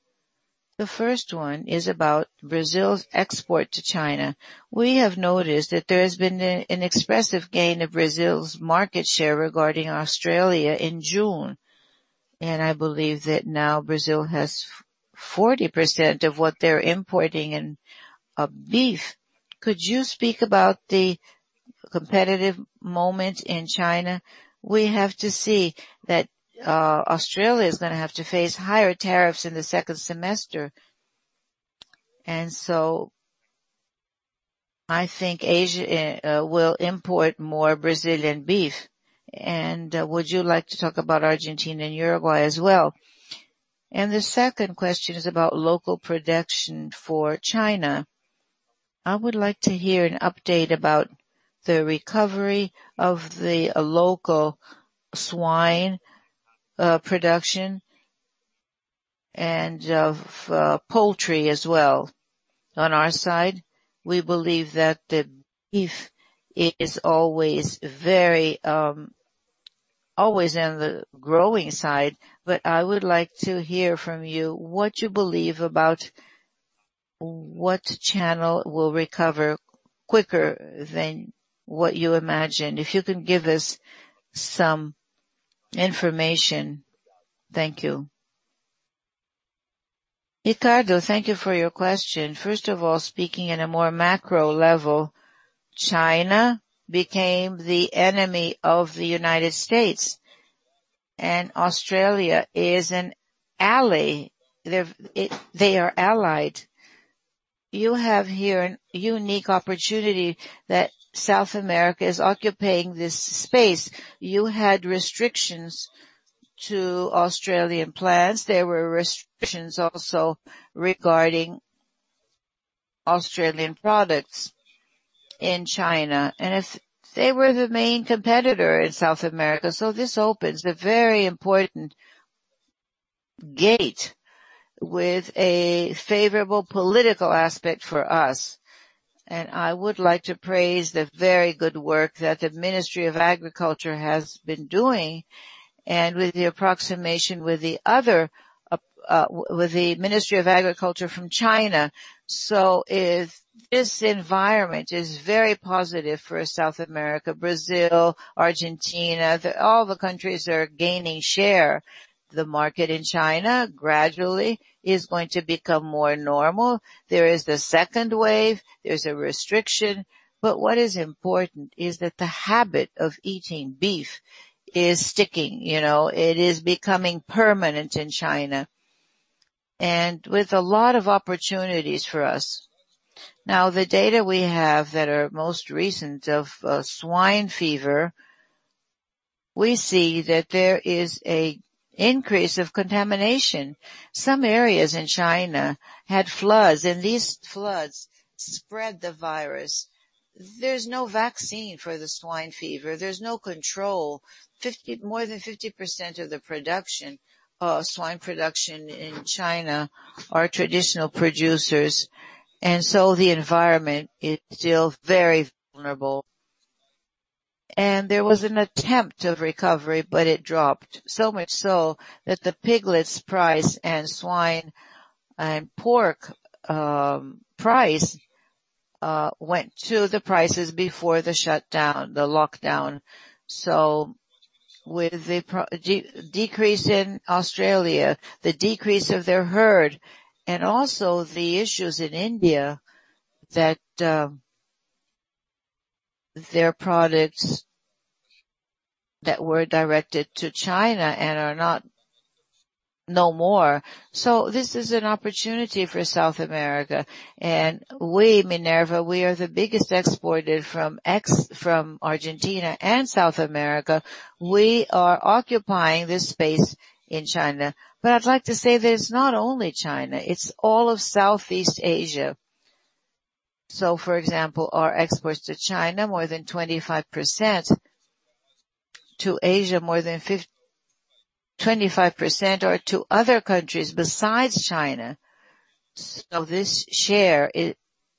The first one is about Brazil's export to China. We have noticed that there has been an expressive gain of Brazil's market share regarding Australia in June. I believe that now Brazil has 40% of what they're importing in beef. Could you speak about the competitive moment in China? We have to see that Australia is going to have to face higher tariffs in the second semester. I think Asia will import more Brazilian beef. Would you like to talk about Argentina and Uruguay as well? The second question is about local production for China. I would like to hear an update about the recovery of the local swine production and of poultry as well. On our side, we believe that the beef is always in the growing side. I would like to hear from you what you believe about what channel will recover quicker than what you imagined. If you can give us some information. Thank you. Ricardo, thank you for your question. First of all, speaking in a more macro level, China became the enemy of the United States, and Australia is an ally. They are allied. You have here a unique opportunity that South America is occupying this space. You had restrictions to Australian plants. There were restrictions also regarding Australian products in China. They were the main competitor in South America. This opens the very important gate with a favorable political aspect for us. I would like to praise the very good work that the Ministry of Agriculture has been doing, and with the approximation with the Ministry of Agriculture from China. This environment is very positive for South America, Brazil, Argentina, all the countries are gaining share. The market in China gradually is going to become more normal. There is the second wave, there's a restriction, but what is important is that the habit of eating beef is sticking. It is becoming permanent in China, and with a lot of opportunities for us. The data we have that are most recent of swine fever, we see that there is an increase of contamination. Some areas in China had floods, these floods spread the virus. There's no vaccine for the swine fever. There's no control. More than 50% of the swine production in China are traditional producers, the environment is still very vulnerable. There was an attempt of recovery, but it dropped, so much so that the piglets price and swine and pork price went to the prices before the shutdown, the lockdown. With the decrease in Australia, the decrease of their herd, and also the issues in India that their products that were directed to China and are no more. This is an opportunity for South America. We, Minerva, we are the biggest exporter from Argentina and South America. We are occupying this space in China. I'd like to say that it's not only China, it's all of Southeast Asia. For example, our exports to China, more than 25%, to Asia, more than 25%, or to other countries besides China. This share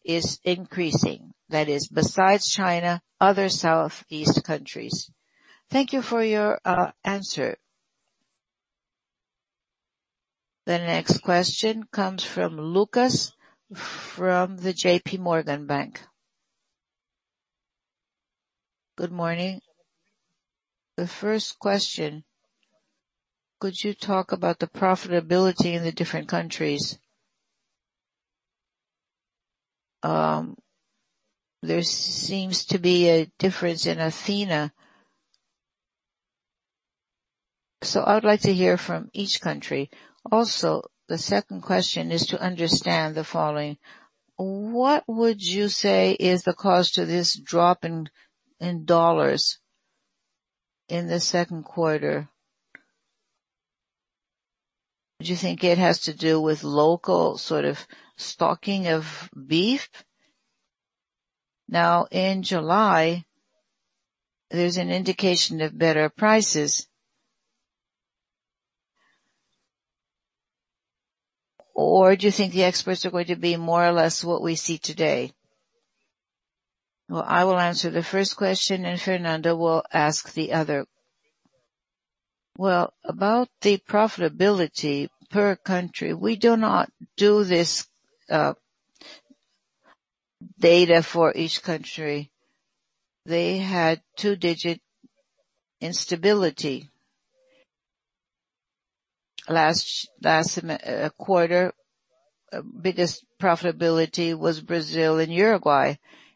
is increasing. That is, besides China, other Southeast countries. Thank you for your answer. The next question comes from Lucas from the J.P. Morgan Bank. Good morning. The first question, could you talk about the profitability in the different countries? There seems to be a difference in Athena. I would like to hear from each country. The second question is to understand the following. What would you say is the cause to this drop in dollar in the second quarter? Do you think it has to do with local sort of stocking of beef? In July, there's an indication of better prices. Do you think the exports are going to be more or less what we see today? Well, I will answer the first question, and Fernando will ask the other. Well, about the profitability per country, we do not do this data for each country. They had two-digit instability. Last quarter, biggest profitability was Brazil and Uruguay,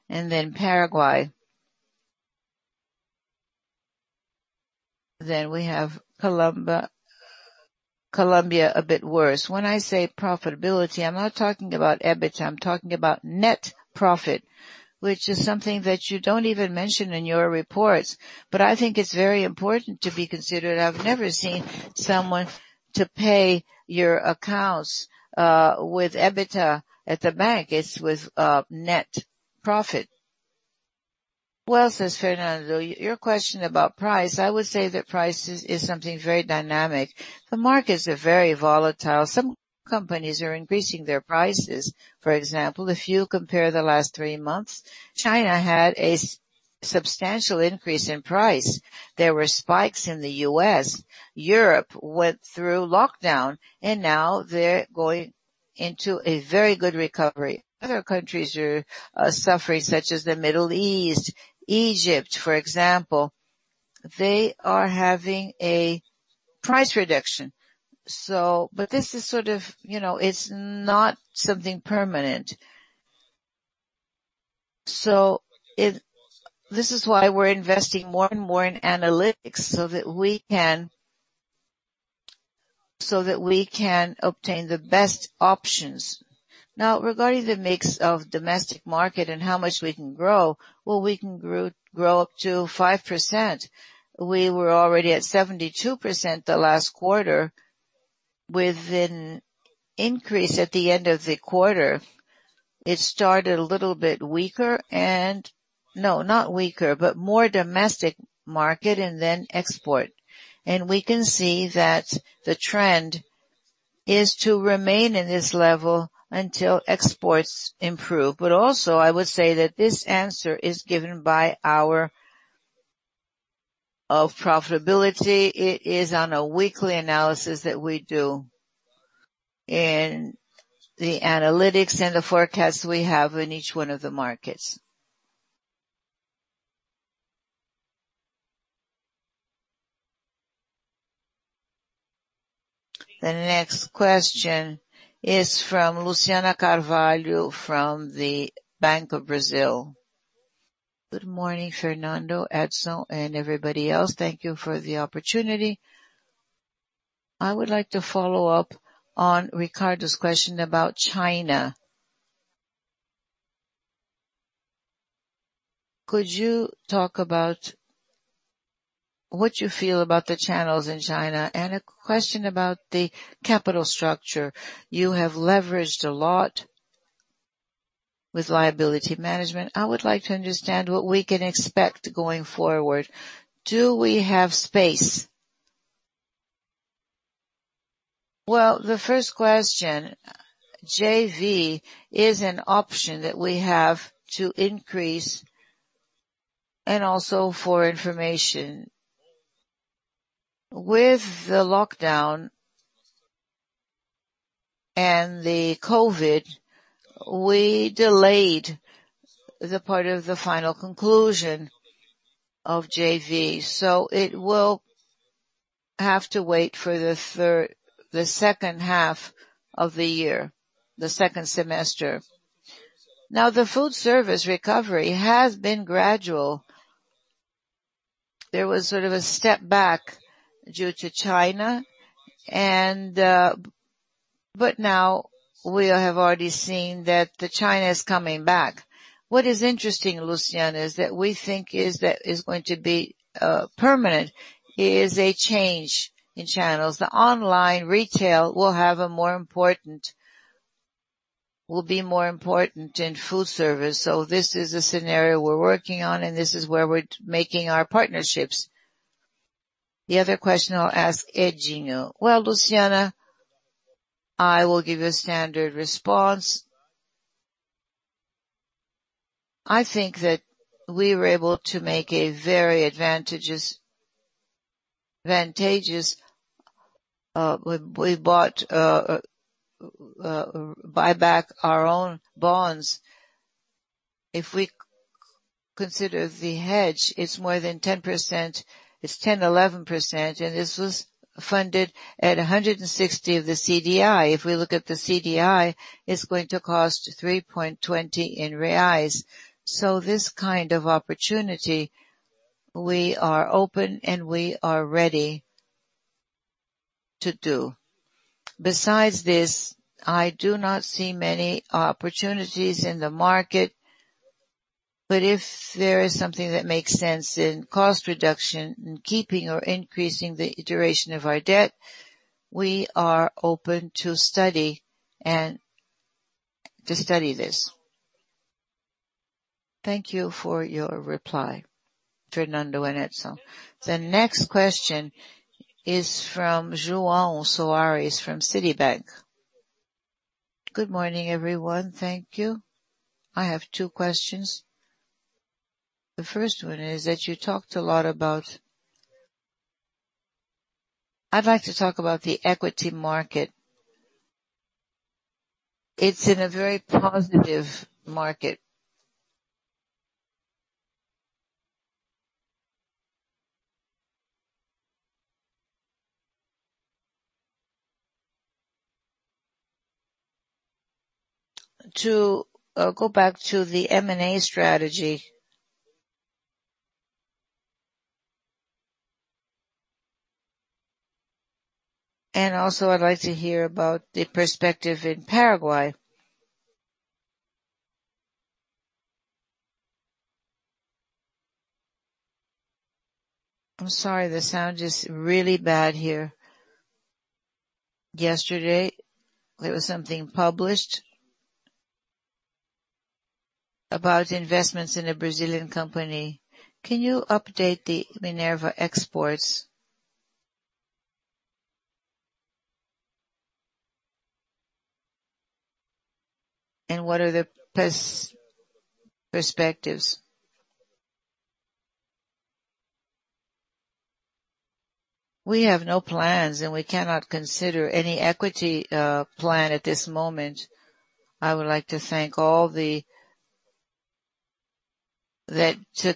and then Paraguay. We have Colombia a bit worse. When I say profitability, I'm not talking about EBITDA, I'm talking about net profit, which is something that you don't even mention in your reports. I think it's very important to be considered. I've never seen someone to pay your accounts with EBITDA at the bank. It's with net profit. Well says Fernando, your question about price, I would say that price is something very dynamic. The markets are very volatile. Some companies are increasing their prices. For example, if you compare the last three months, China had a substantial increase in price. There were spikes in the U.S. Europe went through lockdown, and now they're going into a very good recovery. Other countries are suffering, such as the Middle East, Egypt, for example. They are having a price reduction. This is sort of, it's not something permanent. This is why we're investing more and more in analytics, so that we can obtain the best options. Now, regarding the mix of domestic market and how much we can grow, well, we can grow up to 5%. We were already at 72% the last quarter with an increase at the end of the quarter. It started a little bit weaker. No, not weaker, but more domestic market and then export. We can see that the trend is to remain in this level until exports improve. Also, I would say that this answer is given by our of profitability. It is on a weekly analysis that we do in the analytics and the forecasts we have in each one of the markets. The next question is from Luciana Carvalho from the Bank of Brazil. Good morning, Fernando, Edson, and everybody else. Thank you for the opportunity. I would like to follow up on Ricardo's question about China. Could you talk about what you feel about the channels in China? A question about the capital structure. You have leveraged a lot with liability management. I would like to understand what we can expect going forward. Do we have space? Well, the first question, JV is an option that we have to increase and also for information. With the lockdown and the COVID-19, we delayed the part of the final conclusion of JV. It will have to wait for the second half of the year, the second semester. The food service recovery has been gradual. There was sort of a step back due to China, now we have already seen that China is coming back. What is interesting, Luciana, is that we think is going to be permanent is a change in channels. The online retail will be more important in food service. This is a scenario we're working on, and this is where we're making our partnerships. The other question, I'll ask Edinho. Well, Luciana, I will give you a standard response. I think that we were able to make a very advantageous when we buy back our own bonds. If we consider the hedge, it's more than 10%. It's 10%, 11%, and this was funded at 160% of the CDI. We look at the CDI, it's going to cost 3.20 reais. This kind of opportunity, we are open and we are ready to do. Besides this, I do not see many opportunities in the market. If there is something that makes sense in cost reduction, in keeping or increasing the duration of our debt, we are open to study this. Thank you for your reply, Fernando and Edison. The next question is from João Soares from Citibank. Good morning, everyone. Thank you. I have two questions. The first one is that I'd like to talk about the equity market. It's in a very positive market. I'd like to go back to the M&A strategy. Also, I'd like to hear about the perspective in Paraguay. I'm sorry, the sound is really bad here. Yesterday, there was something published about investments in a Brazilian company. What are the perspectives? We have no plans, and we cannot consider any equity plan at this moment. I would like to thank all that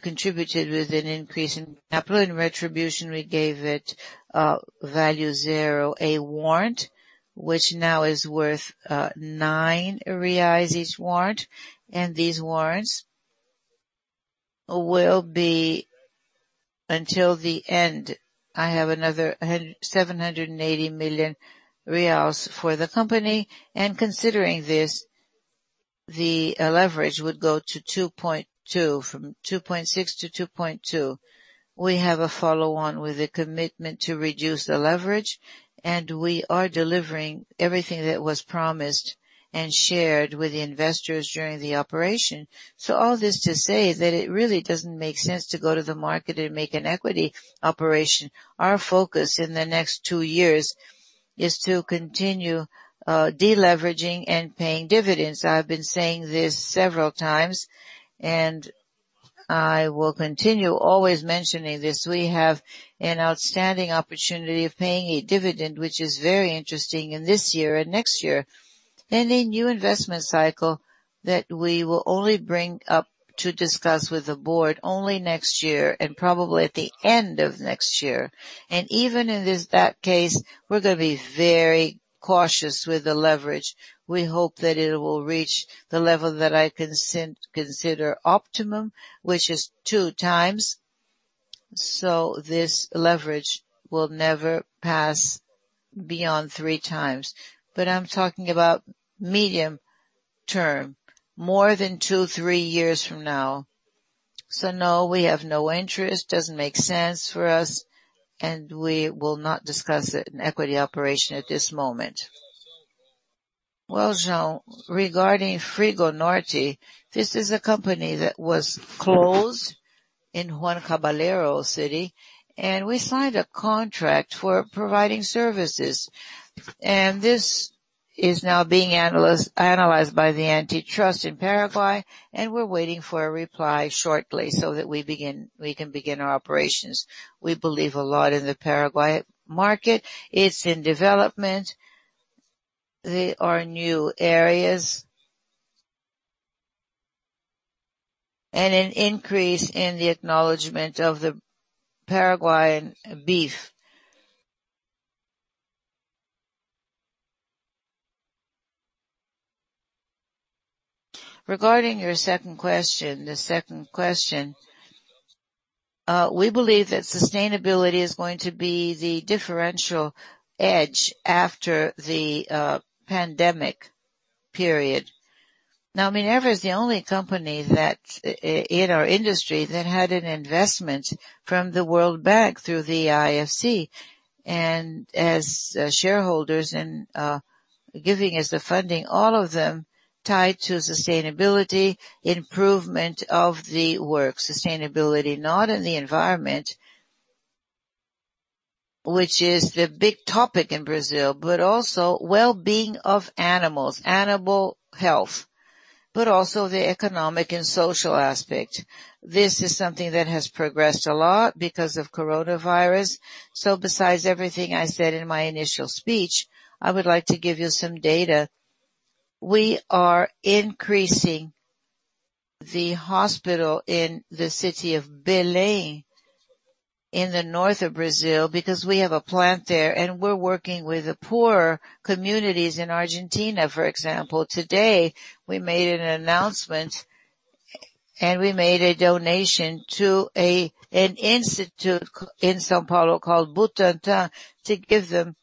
contributed with an increase in capital and retribution. We gave it value zero, a warrant, which now is worth 9 reais, each warrant. These warrants will be until the end. I have another 780 million reais for the company. Considering this, the leverage would go to 2.2, from 2.6-2.2. We have a follow-on with a commitment to reduce the leverage, and we are delivering everything that was promised and shared with the investors during the operation. All this to say that it really doesn't make sense to go to the market and make an equity operation. Our focus in the next two years is to continue de-leveraging and paying dividends. I've been saying this several times, and I will continue always mentioning this. We have an outstanding opportunity of paying a dividend, which is very interesting in this year and next year. Any new investment cycle that we will only bring up to discuss with the Board only next year and probably at the end of next year. Even in that case, we're going to be very cautious with the leverage. We hope that it will reach the level that I consider optimum, which is two times. This leverage will never pass beyond three times. I'm talking about medium-term, more than two, three years from now. No, we have no interest. Doesn't make sense for us. We will not discuss an equity operation at this moment. Well, João, regarding FrigoNorte, this is a company that was closed in Pedro Juan Caballero, and we signed a contract for providing services. This is now being analyzed by the antitrust in Paraguay, and we're waiting for a reply shortly so that we can begin our operations. We believe a lot in the Paraguay market. It's in development. There are new areas and an increase in the acknowledgment of the Paraguayan beef. Regarding your second question, we believe that sustainability is going to be the differential edge after the pandemic period. Now, Minerva is the only company in our industry that had an investment from the World Bank through the IFC. As shareholders and giving us the funding, all of them tied to sustainability, improvement of the work. Sustainability, not in the environment, which is the big topic in Brazil, but also well-being of animals, animal health, but also the economic and social aspect. This is something that has progressed a lot because of COVID-19. Besides everything I said in my initial speech, I would like to give you some data. We are increasing the hospital in the city of Belém in the north of Brazil because we have a plant there, and we're working with the poorer communities in Argentina, for example. Today, we made an announcement, and we made a donation to an institute in São Paulo called Butantan to give them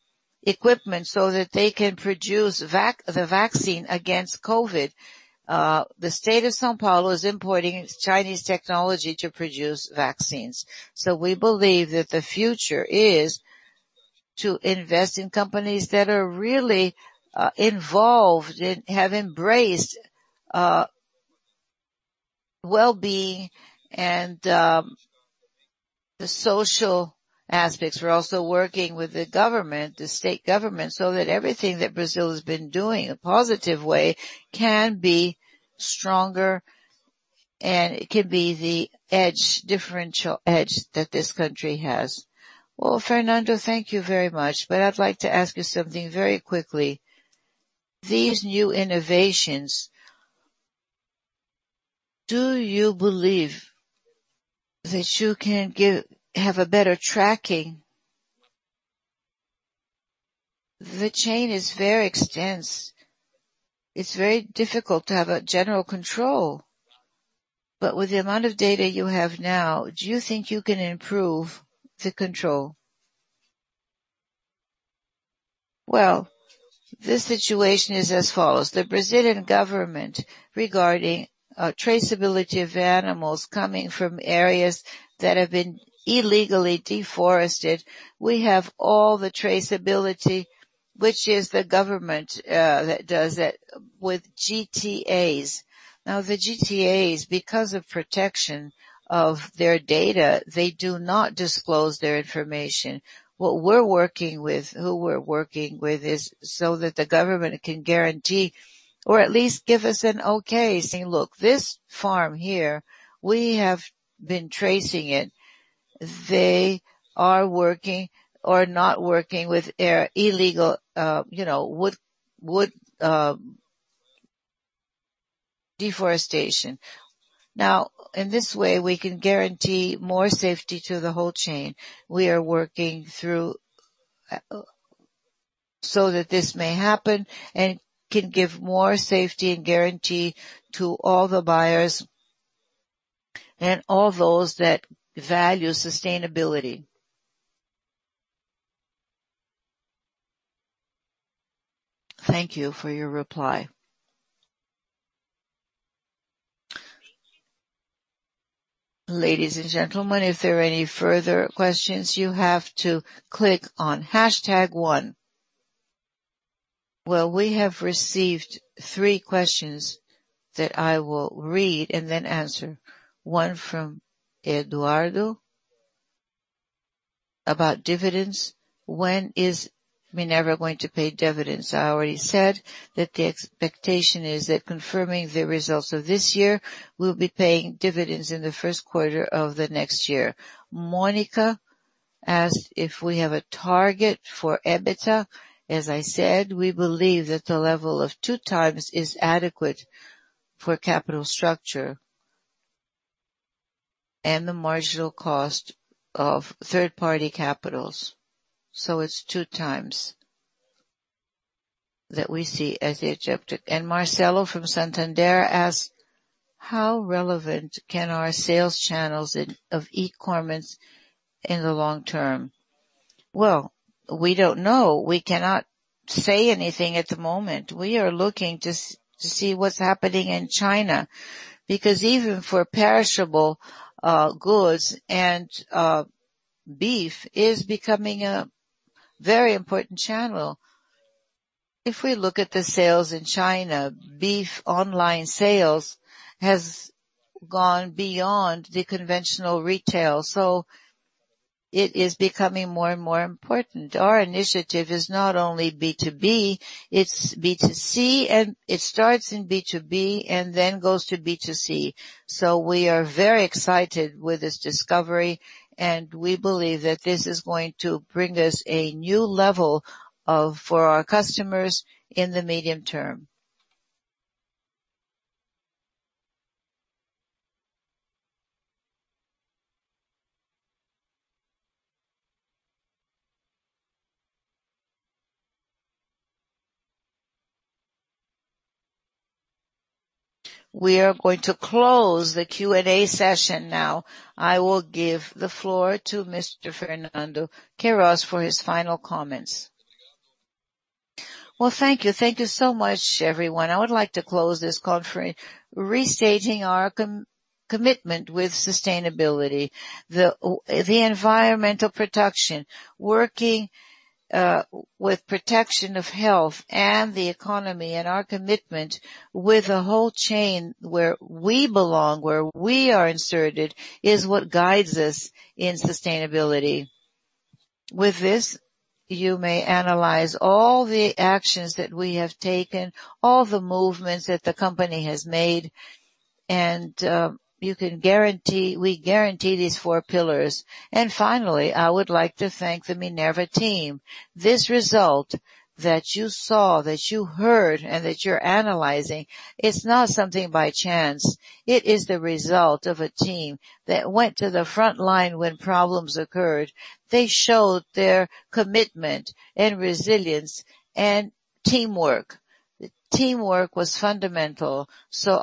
equipment so that they can produce the vaccine against COVID-19. The state of São Paulo is importing Chinese technology to produce vaccines. We believe that the future is to invest in companies that are really involved and have embraced well-being and the social aspects. We're also working with the government, the state government, so that everything that Brazil has been doing a positive way can be stronger and it can be the differential edge that this country has. Well, Fernando, thank you very much. I'd like to ask you something very quickly. These new innovations, do you believe that you can have a better tracking? The chain is very extensive. It's very difficult to have a general control. With the amount of data you have now, do you think you can improve the control? Well, the situation is as follows. The Brazilian government, regarding traceability of animals coming from areas that have been illegally deforested, we have all the traceability, which is the government that does that with GTAs. The GTAs, because of protection of their data, they do not disclose their information. What we're working with, who we're working with is so that the government can guarantee or at least give us an okay, saying, "Look, this farm here, we have been tracing it. They are working or not working with illegal wood deforestation." In this way, we can guarantee more safety to the whole chain. We are working through so that this may happen and can give more safety and guarantee to all the buyers and all those that value sustainability. Thank you for your reply. Ladies and gentlemen, if there are any further questions, you have to click on hashtag one. Well, we have received three questions that I will read and then answer. One from Eduardo about dividends. When is Minerva going to pay dividends? I already said that the expectation is that confirming the results of this year, we'll be paying dividends in the first quarter of the next year. Monica asked if we have a target for EBITDA. As I said, we believe that the level of 2x is adequate for capital structure and the marginal cost of third-party capitals. It's 2x that we see as the objective. Marcelo from Santander asked, "How relevant can our sales channels of e-commerce in the long term?" Well, we don't know. We cannot say anything at the moment. We are looking to see what's happening in China, because even for perishable goods and beef is becoming a very important channel. If we look at the sales in China, beef online sales has gone beyond the conventional retail. It is becoming more and more important. Our initiative is not only B2B, it's B2C, and it starts in B2B and then goes to B2C. We are very excited with this discovery, and we believe that this is going to bring us a new level for our customers in the medium term. We are going to close the Q&A session now. I will give the floor to Mr. Fernando Queiroz for his final comments. Well, thank you. Thank you so much, everyone. I would like to close this conference restating our commitment with sustainability. The environmental protection, working with protection of health and the economy, and our commitment with the whole chain where we belong, where we are inserted, is what guides us in sustainability. With this, you may analyze all the actions that we have taken, all the movements that the company has made, and we guarantee these four pillars. Finally, I would like to thank the Minerva team. This result that you saw, that you heard, and that you're analyzing, it's not something by chance. It is the result of a team that went to the front line when problems occurred. They showed their commitment and resilience and teamwork. Teamwork was fundamental.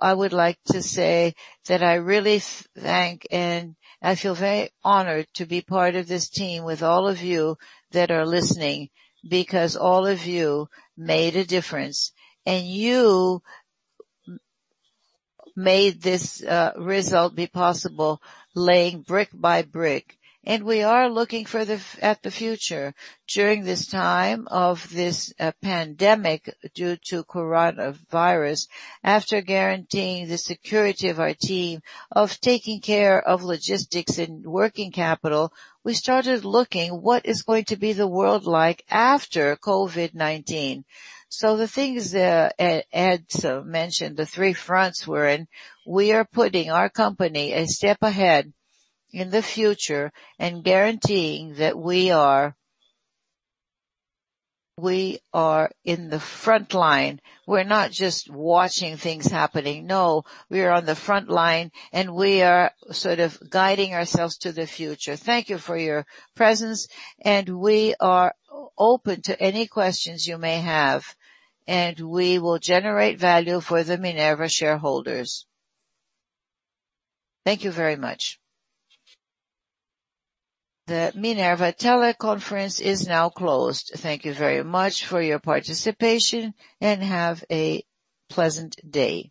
I would like to say that I really thank and I feel very honored to be part of this team with all of you that are listening, because all of you made a difference, and you made this result be possible, laying brick by brick. We are looking at the future during this time of this pandemic due to coronavirus. After guaranteeing the security of our team, of taking care of logistics and working capital, we started looking what is going to be the world like after COVID-19. The things that Edison mentioned, the three fronts we're in, we are putting our company a step ahead in the future and guaranteeing that we are in the front line. We're not just watching things happening. No, we are on the front line and we are sort of guiding ourselves to the future. Thank you for your presence, and we are open to any questions you may have, and we will generate value for the Minerva shareholders. Thank you very much. The Minerva teleconference is now closed. Thank you very much for your participation, and have a pleasant day.